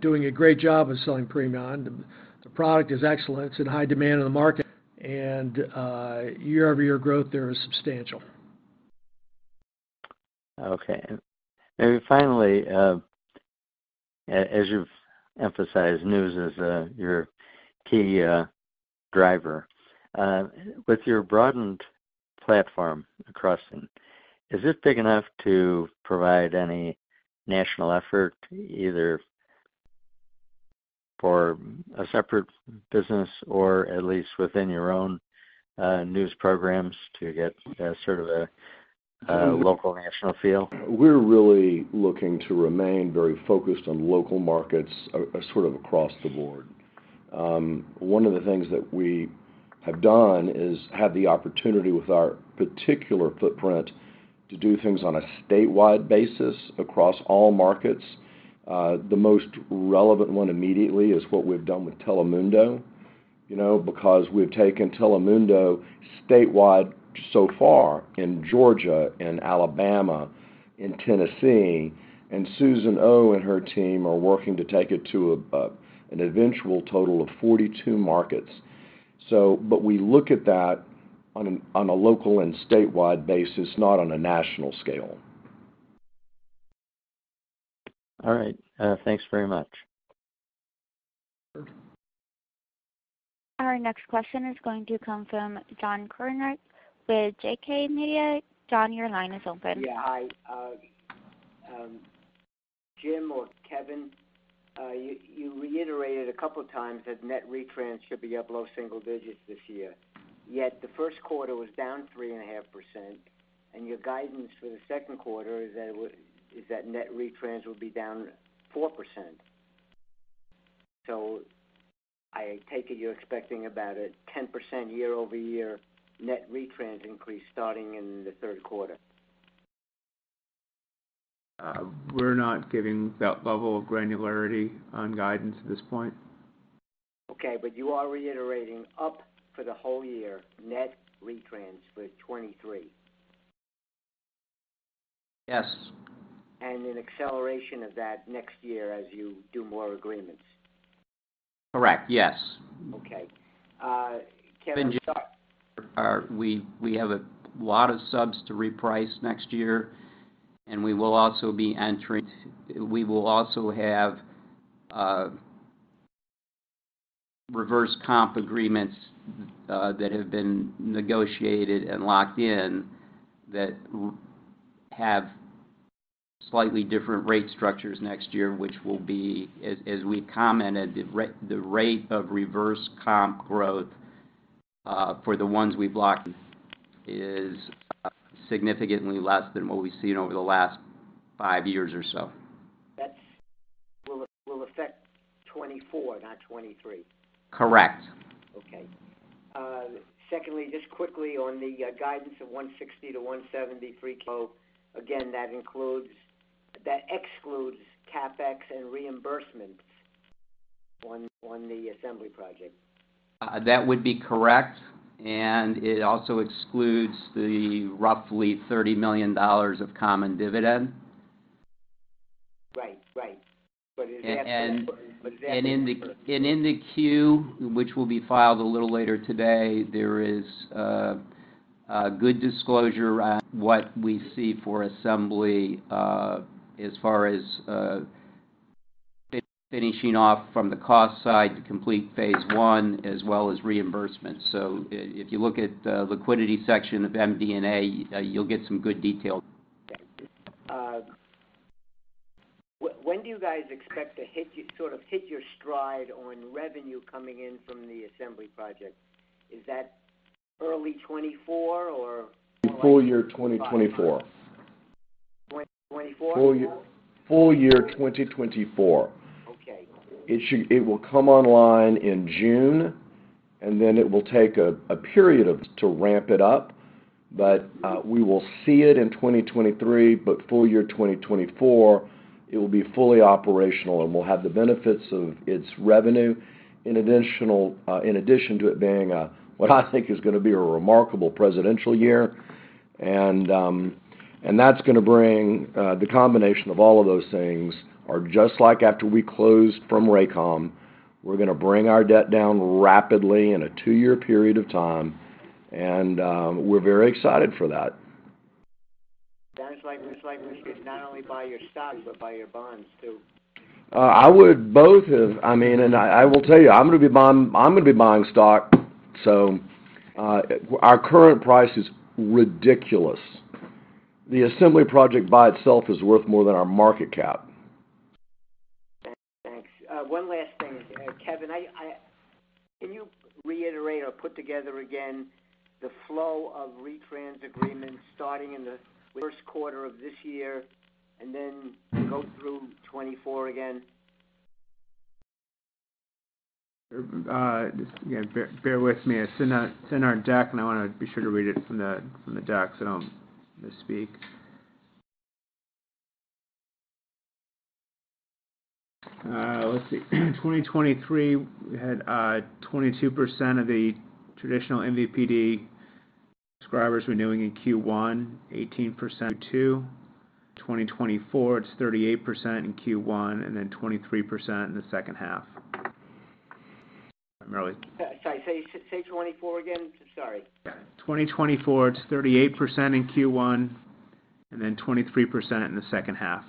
doing a great job of selling Premion. The product is excellent. It's in high demand in the market. Year-over-year growth there is substantial. Okay. Finally, as you've emphasized, news is your key driver. With your broadened platform across, is it big enough to provide any national effort, either for a separate business or at least within your own news programs to get sort of a local national feel? We're really looking to remain very focused on local markets sort of across the board. One of the things that we have done is had the opportunity with our particular footprint to do things on a statewide basis across all markets. The most relevant one immediately is what we've done with Telemundo, you know, because we've taken Telemundo statewide so far in Georgia and Alabama, in Tennessee, and Susan O. And her team are working to take it to an eventual total of 42 markets. We look at that on a local and statewide basis, not on a national scale. All right. Thanks very much. Sure. Our next question is going to come from John Kornreich with JK Media. John, your line is open. Yeah, hi. Jim or Kevin, you reiterated a couple of times that net retransmission should be up low single digits this year, yet the 1st quarter was down 3.5%, and your guidance for the 2nd quarter is that net retransmission will be down 4%. I take it you're expecting about a 10% year-over-year net retransmission increase starting in the third quarter. We're not giving that level of granularity on guidance at this point. Okay. you are reiterating up for the whole year net retransmission for 2023? Yes. An acceleration of that next year as you do more agreements. Correct, yes. Okay. Kevin. John, we have a lot of subs to reprice next year, and we will also have reverse comp agreements that have been negotiated and locked in that have slightly different rate structures next year, which will be, as we commented, the rate of reverse comp growth for the ones we've locked is significantly less than what we've seen over the last five years or so. That will affect 24, not 23. Correct. Okay. Secondly, just quickly on the guidance of $160 million-$170 million Free Cash Flow. Again, that excludes CapEx and reimbursement. On the Assembly project. That would be correct. It also excludes the roughly $30 million of common dividend. Right. Right. In the queue, which will be filed a little later today, there is a good disclosure around what we see for Assembly, as far as finishing off from the cost side to complete phase one as well as reimbursement. If you look at the liquidity section of MD&A, you'll get some good detail. Okay. When do you guys expect to sort of hit your stride on revenue coming in from the Assembly project? Is that early 2024? Full year 2024. 2024? Full year 2024. Okay. It will come online in June, and then it will take a period of to ramp it up. We will see it in 2023, but full year 2024, it will be fully operational, and we'll have the benefits of its revenue in additional, in addition to it being a, what I think is gonna be a remarkable presidential year. That's gonna bring the combination of all of those things are just like after we closed from Raycom, we're gonna bring our debt down rapidly in a two-year period of time. We're very excited for that. That's why we should not only buy your stock but buy your bonds too. I mean, I will tell you, I'm gonna be buying stock. Our current price is ridiculous. The Assembly project by itself is worth more than our market cap. Thanks. one last thing. Kevin, can you reiterate or put together again the flow of retransmission agreements starting in the 1st quarter of this year and then go through 2024 again? Just, you know, bear with me. It's in our, it's in our deck, I wanna be sure to read it from the deck so I don't misspeak. Let's see. 2023, we had 22% of the traditional MVPD subscribers renewing in Q1, 18% in Q2. 2024, it's 38% in Q1, then 23% in the 2nd half. Sorry. Say 2024 again. Sorry. Yeah. 2024, it's 38% in Q1, and then 23% in the 2nd half.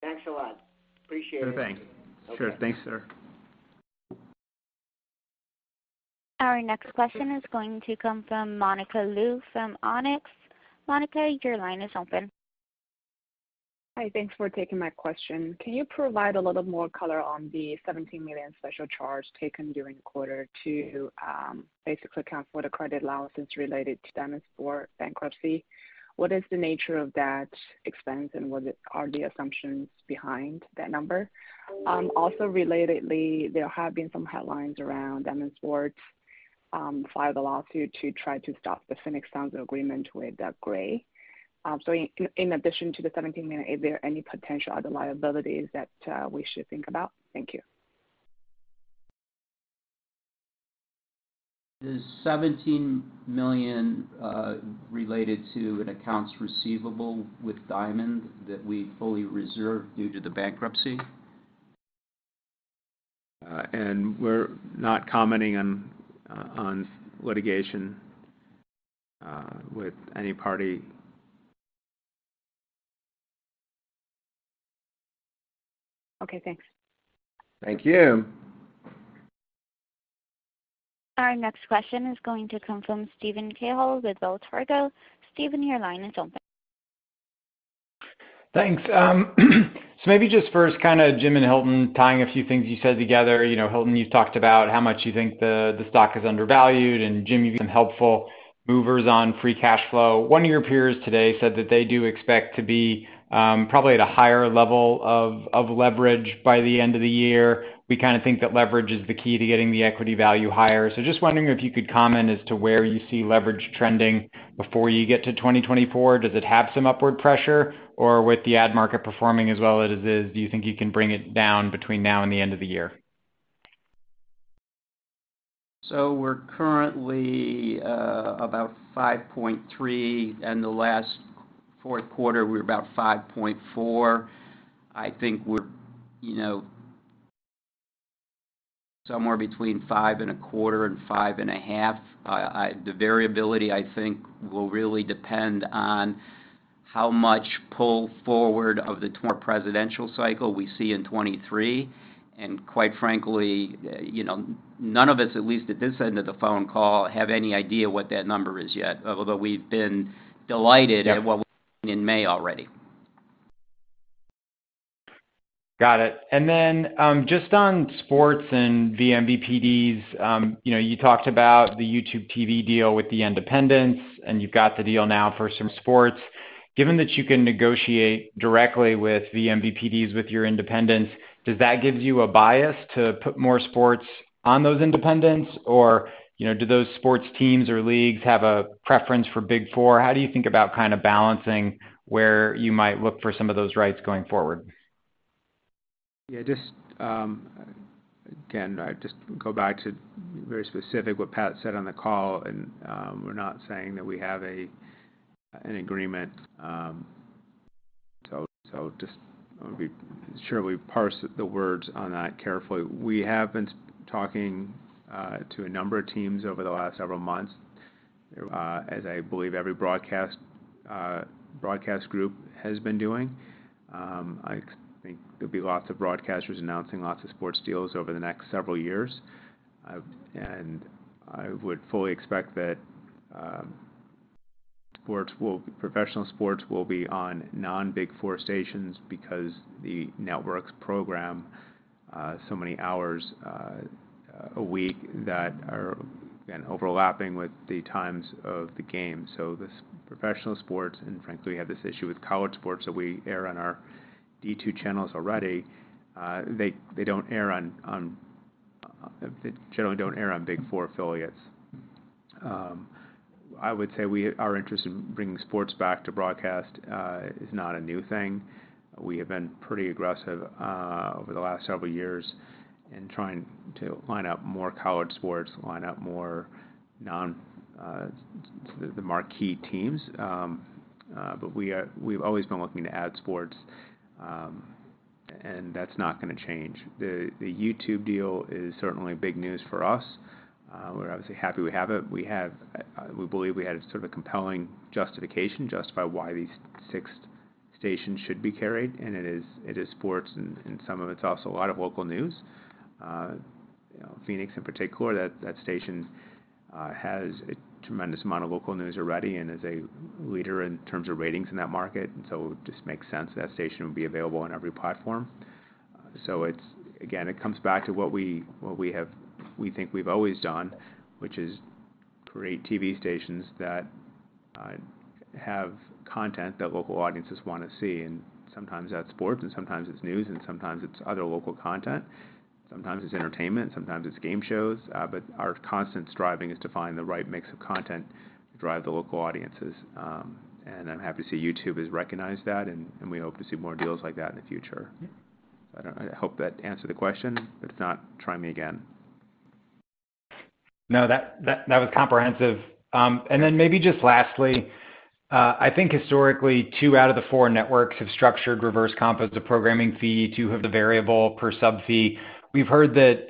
Thanks a lot. Appreciate it. No, thanks. Sure. Thanks, sir. Our next question is going to come from Monica Lu from Onex. Monica, your line is open. Hi. Thanks for taking my question. Can you provide a little more color on the $17 million special charge taken during the quarter to basically account for the credit losses related to Diamond Sports bankruptcy? What is the nature of that expense, and what are the assumptions behind that number? Also relatedly, there have been some headlines around Diamond Sports filed a lawsuit to try to stop the Phoenix Suns agreement with Gray Television. In addition to the $17 million, is there any potential other liabilities that we should think about? Thank you. The $17 million, related to an accounts receivable with Diamond that we fully reserved due to the bankruptcy. We're not commenting on litigation, with any party. Okay, thanks. Thank you. Our next question is going to come from Steven Cahall with Wells Fargo. Steven, your line is open. Thanks. Maybe just first kinda Jim and Hilton tying a few things you said together. You know, Hilton, you talked about how much you think the stock is undervalued, and Jim, you've been helpful movers on Free Cash Flow. One of your peers today said that they do expect to be probably at a higher level of leverage by the end of the year. We kinda think that leverage is the key to getting the equity value higher. Just wondering if you could comment as to where you see leverage trending before you get to 2024. Does it have some upward pressure? With the ad market performing as well as it is, do you think you can bring it down between now and the end of the year? We're currently about 5.3. In the last 4th quarter, we were about 5.4. I think we're, you know, somewhere between 5.25 and 5.5. The variability, I think, will really depend on how much pull forward of the presidential cycle we see in 2023. Quite frankly, you know, none of us, at least at this end of the phone call, have any idea what that number is yet, although we've been delighted. Yeah. at what we've seen in May already. Got it. Then, just on sports and the MVPDs, you know, you talked about the YouTube TV deal with the independents, and you've got the deal now for some sports. Given that you can negotiate directly with the MVPDs with your independents, does that give you a bias to put more sports on those independents? Or, you know, do those sports teams or leagues have a preference for Big Four? How do you think about kind of balancing where you might look for some of those rights going forward? Yeah, just again, I just go back to very specific what Pat said on the call, and we're not saying that we have an agreement. Just be sure we parse the words on that carefully. We have been talking to a number of teams over the last several months, as I believe every broadcast broadcast group has been doing. I think there'll be lots of broadcasters announcing lots of sports deals over the next several years. I would fully expect that professional sports will be on non-Big Four stations because the networks program so many hours a week that are and overlapping with the times of the game. The professional sports, and frankly, we have this issue with college sports that we air on our D2 channels already, they generally don't air on Big Four affiliates. I would say we are interested in bringing sports back to broadcast, is not a new thing. We have been pretty aggressive over the last several years in trying to line up more college sports, line up more non, the marquee teams. We've always been looking to add sports, and that's not gonna change. The, the YouTube deal is certainly big news for us. We're obviously happy we have it. We believe we had a sort of a compelling justification justify why these six stations should be carried. It is sports, and some of it's also a lot of local news. You know, Phoenix in particular, that station, has a tremendous amount of local news already and is a leader in terms of ratings in that market. It just makes sense that station would be available on every platform. It's, again, it comes back to what we think we've always done, which is create TV stations that have content that local audiences wanna see, and sometimes that's sports and sometimes it's news, and sometimes it's other local content. Sometimes it's entertainment, sometimes it's game shows. Our constant striving is to find the right mix of content to drive the local audiences. I'm happy to see YouTube has recognized that, and we hope to see more deals like that in the future. I hope that answered the question. If not, try me again. No, that was comprehensive. Then maybe just lastly, I think historically, two out of the four networks have structured reverse comp as a programming fee. Two have the variable per sub fee. We've heard that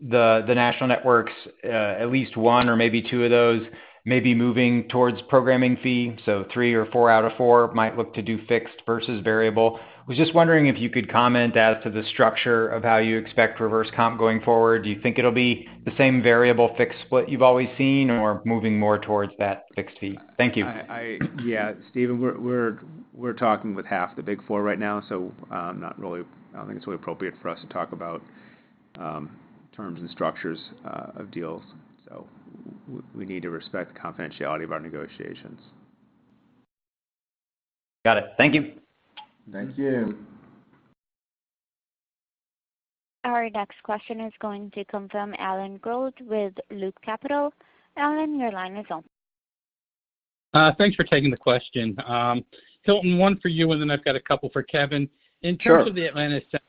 the national networks, at least one or maybe two of those may be moving towards programming fee, so three or four out of four might look to do fixed versus variable. Was just wondering if you could comment as to the structure of how you expect reverse comp going forward? Do you think it'll be the same variable fixed split you've always seen or moving more towards that fixed fee? Thank you. I. Yeah, Steven, we're talking with half the Big Four right now, so I don't think it's really appropriate for us to talk about terms and structures of deals. We need to respect the confidentiality of our negotiations. Got it. Thank you. Thank you. Our next question is going to come from Alan Gould with Loop Capital. Alan, your line is on. Thanks for taking the question. Hilton, one for you, and then I've got a couple for Kevin. Sure. In terms of the Atlanta center,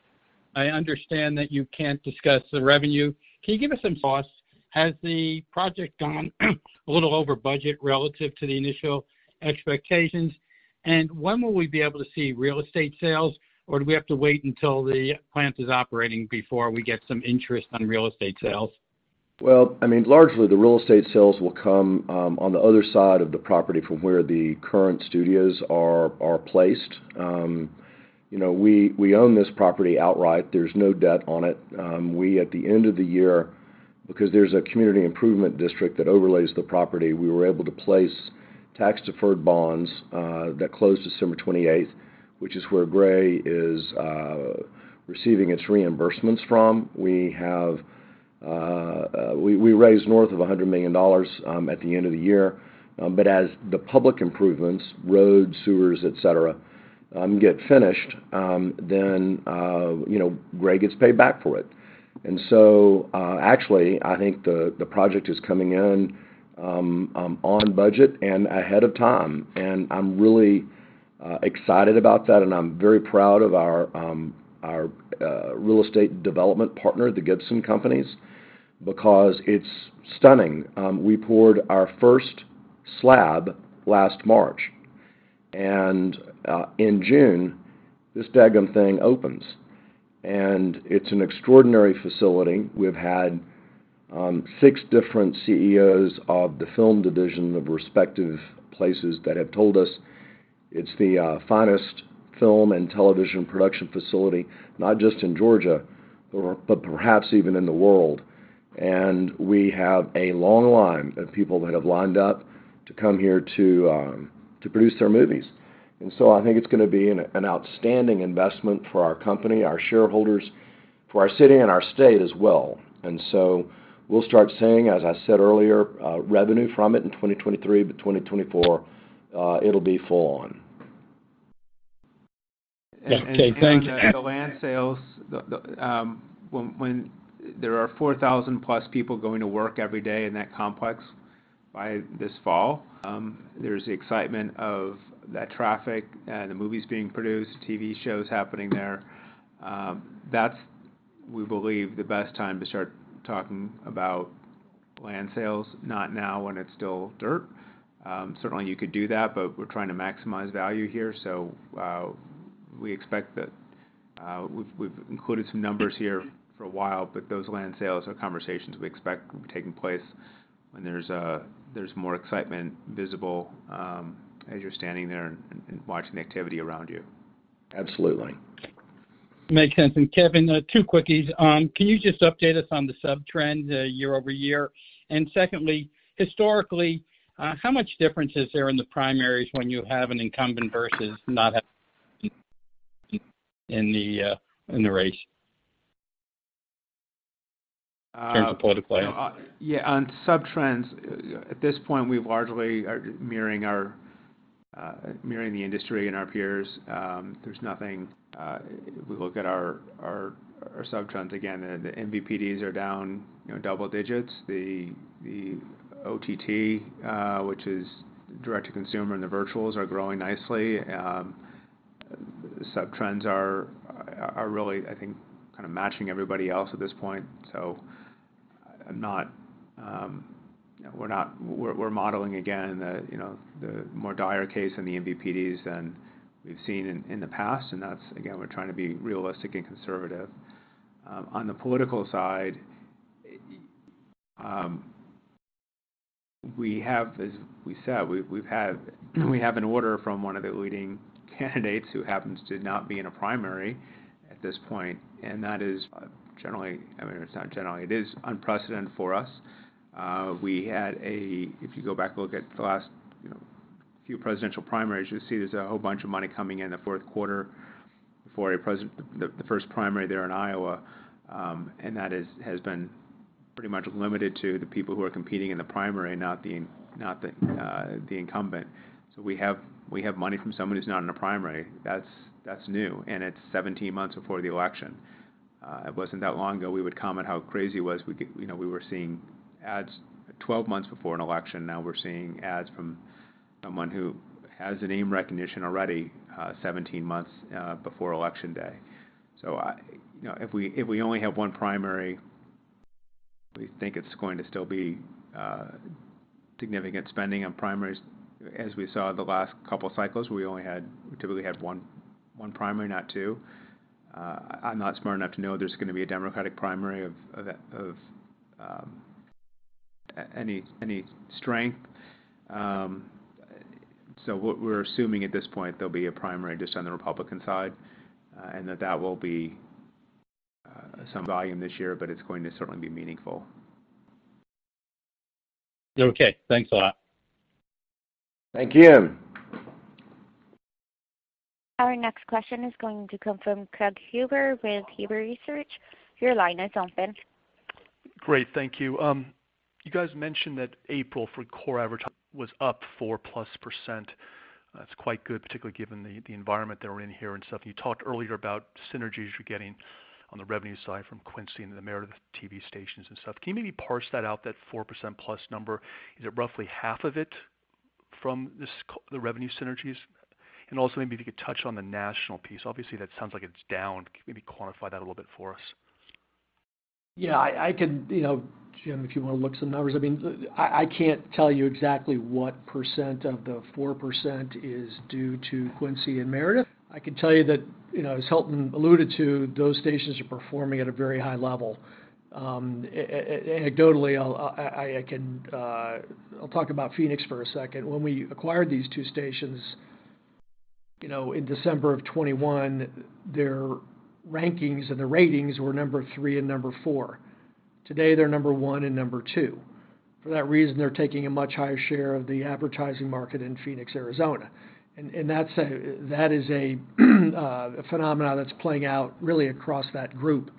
I understand that you can't discuss the revenue. Can you give us some costs? Has the project gone a little over budget relative to the initial expectations? When will we be able to see real estate sales, or do we have to wait until the plant is operating before we get some interest on real estate sales? Well, I mean, largely the real estate sales will come on the other side of the property from where the current studios are placed. You know, we own this property outright. There's no debt on it. We, at the end of the year, because there's a community improvement district that overlays the property, we were able to place tax-deferred bonds that closed December 28th, which is where Gray Television is receiving its reimbursements from. We have, we raised north of $100 million at the end of the year. As the public improvements, roads, sewers, et cetera, get finished, then, you know, Gray Television gets paid back for it. Actually, I think the project is coming in on budget and ahead of time, and I'm really excited about that, and I'm very proud of our real estate development partner, The Gipson Company, because it's stunning. We poured our first slab last March, and in June, this daggum thing opens. It's an extraordinary facility. We've had six different CEOs of the film division of respective places that have told us it's the finest film and television production facility, not just in Georgia, but perhaps even in the world. We have a long line of people that have lined up to come here to produce their movies. I think it's gonna be an outstanding investment for our company, our shareholders, for our city and our state as well. We'll start seeing, as I said earlier, revenue from it in 2023, but 2024, it'll be full on. Okay. Thanks. On the land sales, the when there are 4,000+ people going to work every day in that complex. By this fall, there's the excitement of that traffic and the movies being produced, TV shows happening there. That's, we believe, the best time to start talking about land sales, not now when it's still dirt. Certainly you could do that, but we're trying to maximize value here. We expect that, we've included some numbers here for a while, but those land sales are conversations we expect will be taking place when there's more excitement visible, as you're standing there and watching the activity around you. Absolutely. Makes sense. Kevin, two quickies. Can you just update us on the sub-trend year-over-year? Secondly, historically, how much difference is there in the primaries when you have an incumbent versus in the race? Uh. In terms of political ads. Yeah, on sub-trends, at this point, we largely are mirroring our mirroring the industry and our peers. There's nothing, if we look at our sub-trends, again, the MVPDs are down, you know, double digits. The OTT, which is direct to consumer and the virtuals are growing nicely. Sub-trends are really, I think, kind of matching everybody else at this point. I'm not, we're modeling again the, you know, the more dire case in the MVPDs than we've seen in the past. That's again, we're trying to be realistic and conservative. On the political side, we have, as we said, we have an order from one of the leading candidates who happens to not be in a primary at this point, and that is generally, I mean, it's not generally, it is unprecedented for us. We had a, if you go back and look at the last, you know, few presidential primaries, you'll see there's a whole bunch of money coming in the 4th quarter for the first primary there in Iowa. That has been pretty much limited to the people who are competing in the primary, not the incumbent. We have money from someone who's not in a primary. That's new, and it's 17 months before the election. It wasn't that long ago we would comment how crazy it was we could, you know, we were seeing ads 12 months before an election. Now we're seeing ads from someone who has a name recognition already, 17 months before election day. I, you know, if we, if we only have one primary, we think it's going to still be significant spending on primaries. As we saw the last couple cycles, we typically had one primary, not two. I'm not smart enough to know there's gonna be a Democratic primary of any strength. What we're assuming at this point, there'll be a primary just on the Republican side, and that will be some volume this year, but it's going to certainly be meaningful. Okay, thanks a lot. Thank you. Our next question is going to come from Craig Huber with Huber Research. Your line is open. Great. Thank you. You guys mentioned that April for core advertising was up 4%+. That's quite good, particularly given the environment that we're in here and stuff. You talked earlier about synergies you're getting on the revenue side from Quincy and the Meredith TV stations and stuff. Can you maybe parse that out, that 4%+ number? Is it roughly half of it from the revenue synergies? Maybe if you could touch on the national piece. Obviously, that sounds like it's down. Could you maybe quantify that a little bit for us? Yeah, I could, you know, Jim, if you wanna look at some numbers. I mean, I can't tell you exactly what % of the 4% is due to Quincy Media and Meredith. I can tell you that, you know, as Hilton Howell alluded to, those stations are performing at a very high level. Anecdotally, I'll, I can talk about Phoenix for a second. When we acquired these two stations, you know, in December of 2021, their rankings and their ratings were number three and number four. Today, they're number one and number two. For that reason, they're taking a much higher share of the advertising market in Phoenix, Arizona. That's a, that is a phenomena that's playing out really across that group.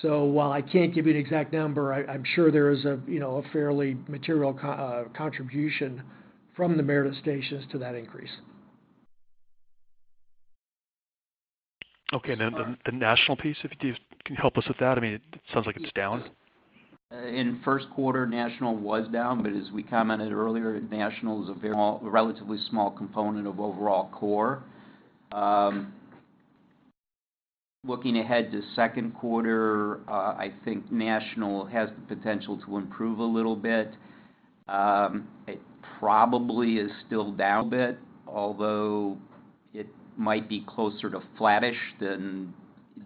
While I can't give you an exact number, I'm sure there is a, you know, a fairly material contribution from the Meredith stations to that increase. Okay. Then the national piece, if you can help us with that? I mean, it sounds like it's down. In 1st quarter, national was down, but as we commented earlier, national is a very relatively small component of overall core. Looking ahead to 2nd quarter, I think national has the potential to improve a little bit. It probably is still down a bit, although it might be closer to flattish than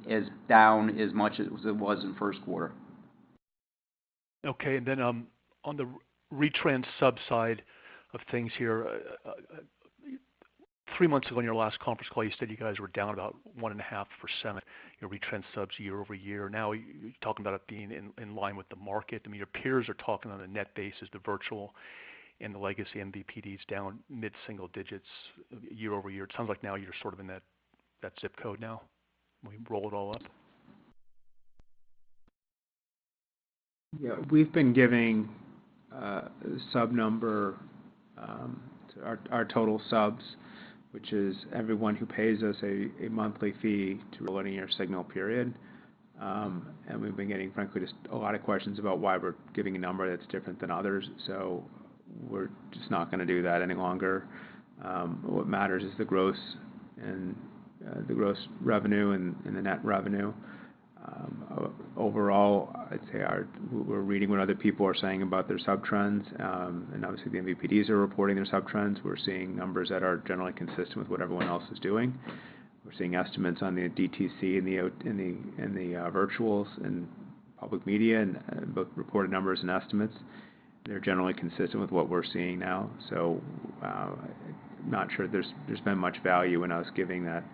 as down as much as it was in 1st quarter. Okay. On the retransmission sub side of things here, three months ago on your last conference call, you said you guys were down about 1.5%, your retransmission subs year-over-year. Now, you're talking about it being in line with the market. I mean, your peers are talking on a net basis, the virtual and the legacy MVPD is down mid-single digits year-over-year. It sounds like now you're sort of in that zip code now, when we roll it all up. Yeah. We've been giving, sub number. Our total subs, which is everyone who pays us a monthly fee to learning your signal period. We've been getting, frankly, just a lot of questions about why we're giving a number that's different than others. We're just not gonna do that any longer. What matters is the gross and the gross revenue and the net revenue. Overall, I'd say our, we're reading what other people are saying about their sub trends. Obviously the MVPDs are reporting their sub trends. We're seeing numbers that are generally consistent with what everyone else is doing. We're seeing estimates on the DTC and the virtuals and public media and both reported numbers and estimates. They're generally consistent with what we're seeing now. Not sure there's been much value when I was giving that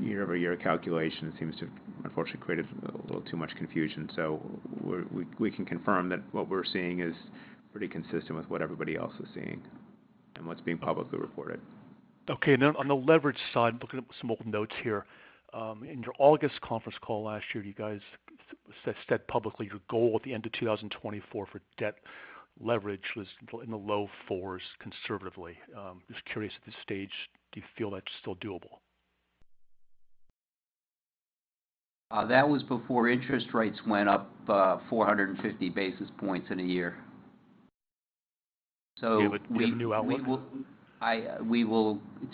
year-over-year calculation. It seems to unfortunately created a little too much confusion. We can confirm that what we're seeing is pretty consistent with what everybody else is seeing and what's being publicly reported. Okay. Now on the leverage side, looking at some old notes here. In your August conference call last year, you guys said publicly your goal at the end of 2024 for debt leverage was in the low 4s conservatively. Just curious at this stage, do you feel that's still doable? that was before interest rates went up, 450 basis points in a year. Do you have a new outlook?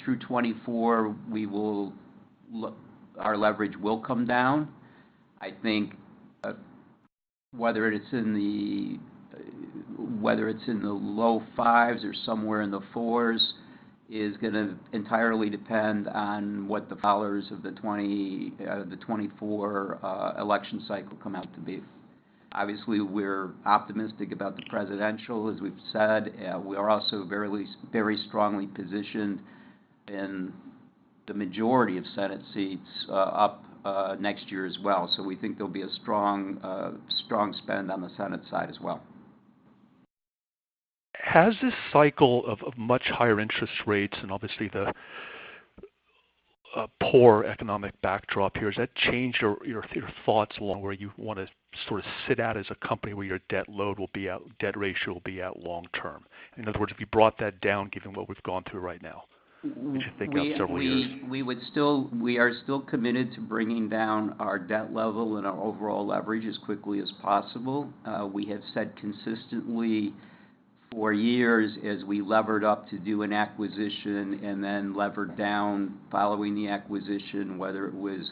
Through 2024, our leverage will come down. I think, whether it's in the low 5s or somewhere in the 4s is gonna entirely depend on what the followers of the 2020, the 2024 election cycle come out to be. Obviously, we're optimistic about the presidential, as we've said. We are also very strongly positioned in the majority of Senate seats up next year as well. We think there'll be a strong strong spend on the Senate side as well. Has this cycle of much higher interest rates and obviously the poor economic backdrop here, has that changed your thoughts along where you wanna sort of sit at as a company where your debt load will be at, debt ratio will be at long term? In other words, have you brought that down given what we've gone through right now? We should think out several years. We are still committed to bringing down our debt level and our overall leverage as quickly as possible. We have said consistently for years as we levered up to do an acquisition and then levered down following the acquisition, whether it was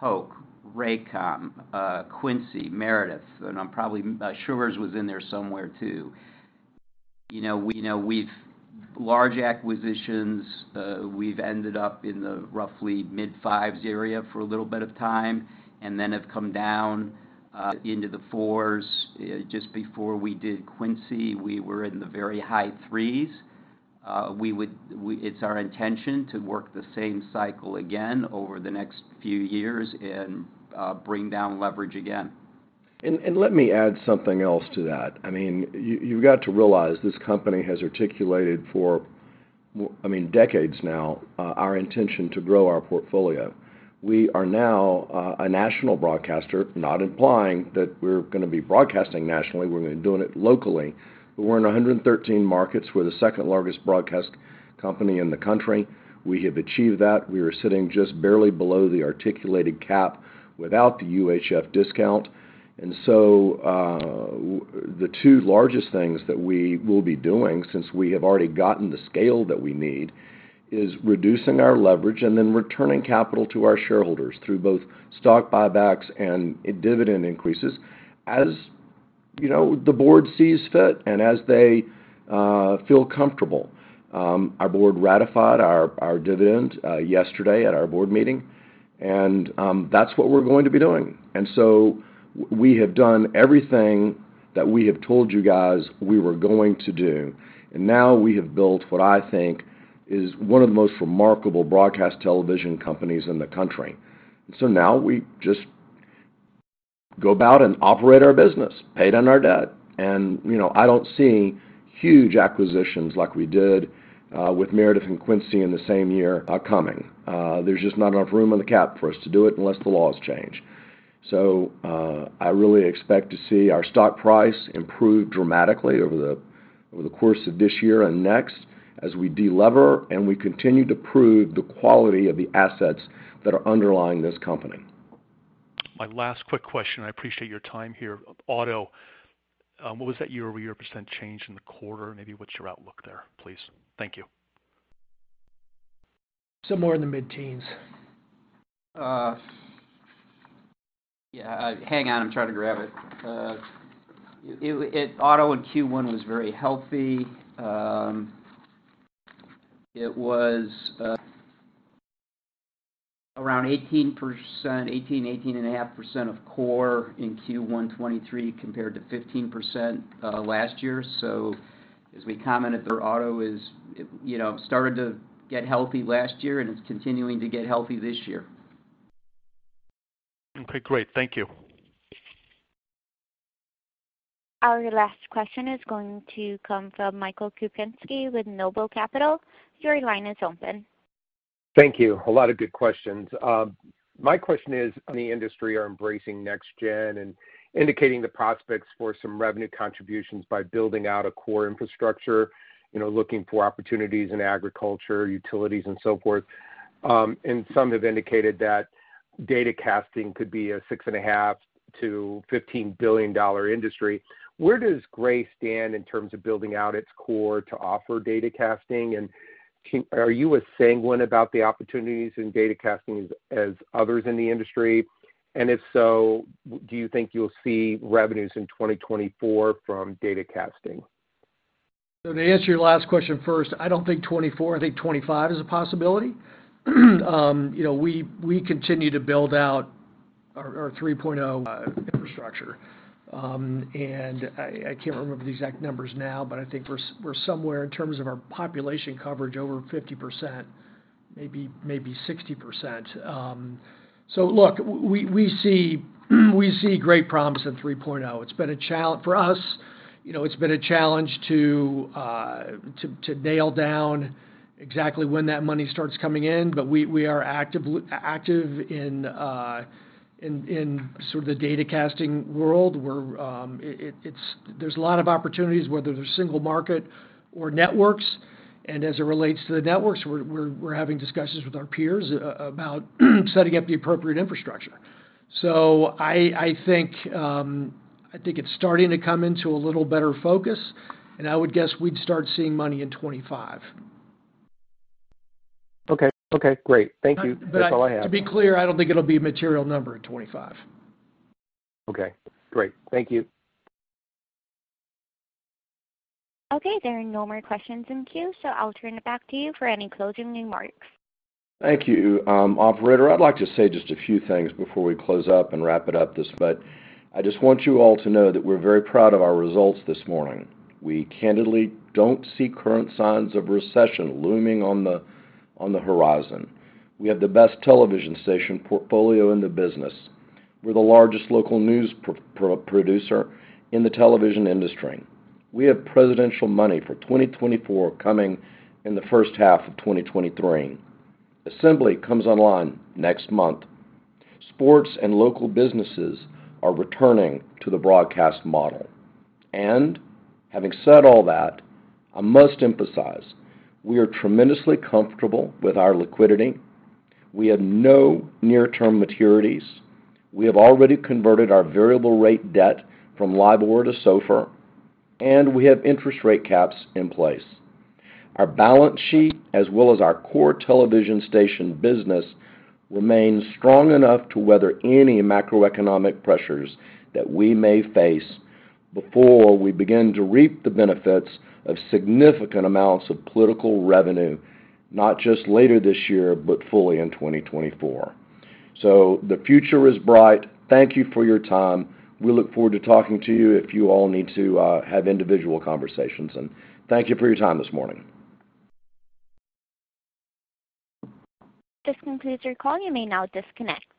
Hoak, Raycom, Quincy, Meredith, and I'm probably, Schurz was in there somewhere too. You know, we know we've large acquisitions, we've ended up in the roughly mid-5s area for a little bit of time and then have come down into the 4s. Just before we did Quincy, we were in the very high 3s. It's our intention to work the same cycle again over the next few years and bring down leverage again. Let me add something else to that. I mean, you've got to realize this company has articulated for, I mean, decades now, our intention to grow our portfolio. We are now a national broadcaster, not implying that we're gonna be broadcasting nationally, we're gonna be doing it locally. We're in 113 markets. We're the second largest broadcast company in the country. We have achieved that. We are sitting just barely below the articulated cap without the UHF discount. So, the two largest things that we will be doing since we have already gotten the scale that we need, is reducing our leverage and then returning capital to our shareholders through both stock buybacks and dividend increases. As, you know, the board sees fit and as they feel comfortable. Our board ratified our dividend yesterday at our board meeting, and that's what we're going to be doing. We have done everything that we have told you guys we were going to do, and now we have built what I think is one of the most remarkable broadcast television companies in the country. Now we just go about and operate our business, pay down our debt. You know, I don't see huge acquisitions like we did with Meredith and Quincy in the same year, are coming. There's just not enough room in the cap for us to do it unless the laws change. I really expect to see our stock price improve dramatically over the course of this year and next as we de-lever and we continue to prove the quality of the assets that are underlying this company. My last quick question. I appreciate your time here. Auto, what was that year-over-year % change in the quarter? Maybe what's your outlook there, please? Thank you. Somewhere in the mid-teens. Yeah. Hang on, I'm trying to grab it. It... Auto in Q1 was very healthy. It was around 18.5% of core in Q1 2023 compared to 15% last year. As we commented there, auto is, you know, started to get healthy last year and it's continuing to get healthy this year. Okay, great. Thank you. Our last question is going to come from Michael Kupinski with Noble Capital. Your line is open. Thank you. A lot of good questions. My question is on the industry are embracing NextGen and indicating the prospects for some revenue contributions by building out a core infrastructure, you know, looking for opportunities in agriculture, utilities and so forth. Some have indicated that datacasting could be a $6.5 billion-$15 billion industry. Where does Gray Television stand in terms of building out its core to offer datacasting? Are you as sanguine about the opportunities in datacasting as others in the industry? If so, do you think you'll see revenues in 2024 from datacasting? To answer your last question first, I don't think 24, I think 25 is a possibility. You know, we continue to build out our ATSC 3.0 infrastructure. And I can't remember the exact numbers now, but I think we're somewhere in terms of our population coverage over 50%, maybe 60%. We see great promise in ATSC 3.0. It's been a challenge for us, you know, it's been a challenge to nail down exactly when that money starts coming in. We are active in sort of the datacasting world where there's a lot of opportunities, whether they're single market or networks. As it relates to the networks, we're having discussions with our peers about setting up the appropriate infrastructure. I think it's starting to come into a little better focus, and I would guess we'd start seeing money in 25. Okay. Okay, great. Thank you. That's all I have. To be clear, I don't think it'll be a material number in 2025. Okay, great. Thank you. Okay, there are no more questions in queue, so I'll turn it back to you for any closing remarks. Thank you, operator. I'd like to say just a few things before we close up and wrap it up, but I just want you all to know that we're very proud of our results this morning. We candidly don't see current signs of recession looming on the, on the horizon. We have the best television station portfolio in the business. We're the largest local news producer in the television industry. We have presidential money for 2024 coming in the first half of 2023. Assembly comes online next month. Sports and local businesses are returning to the broadcast model. Having said all that, I must emphasize, we are tremendously comfortable with our liquidity. We have no near-term maturities. We have already converted our variable rate debt from LIBOR to SOFR, and we have interest rate caps in place. Our balance sheet as well as our core television station business remains strong enough to weather any macroeconomic pressures that we may face before we begin to reap the benefits of significant amounts of political revenue, not just later this year, but fully in 2024. The future is bright. Thank you for your time. We look forward to talking to you if you all need to have individual conversations. Thank you for your time this morning. This concludes your call. You may now disconnect.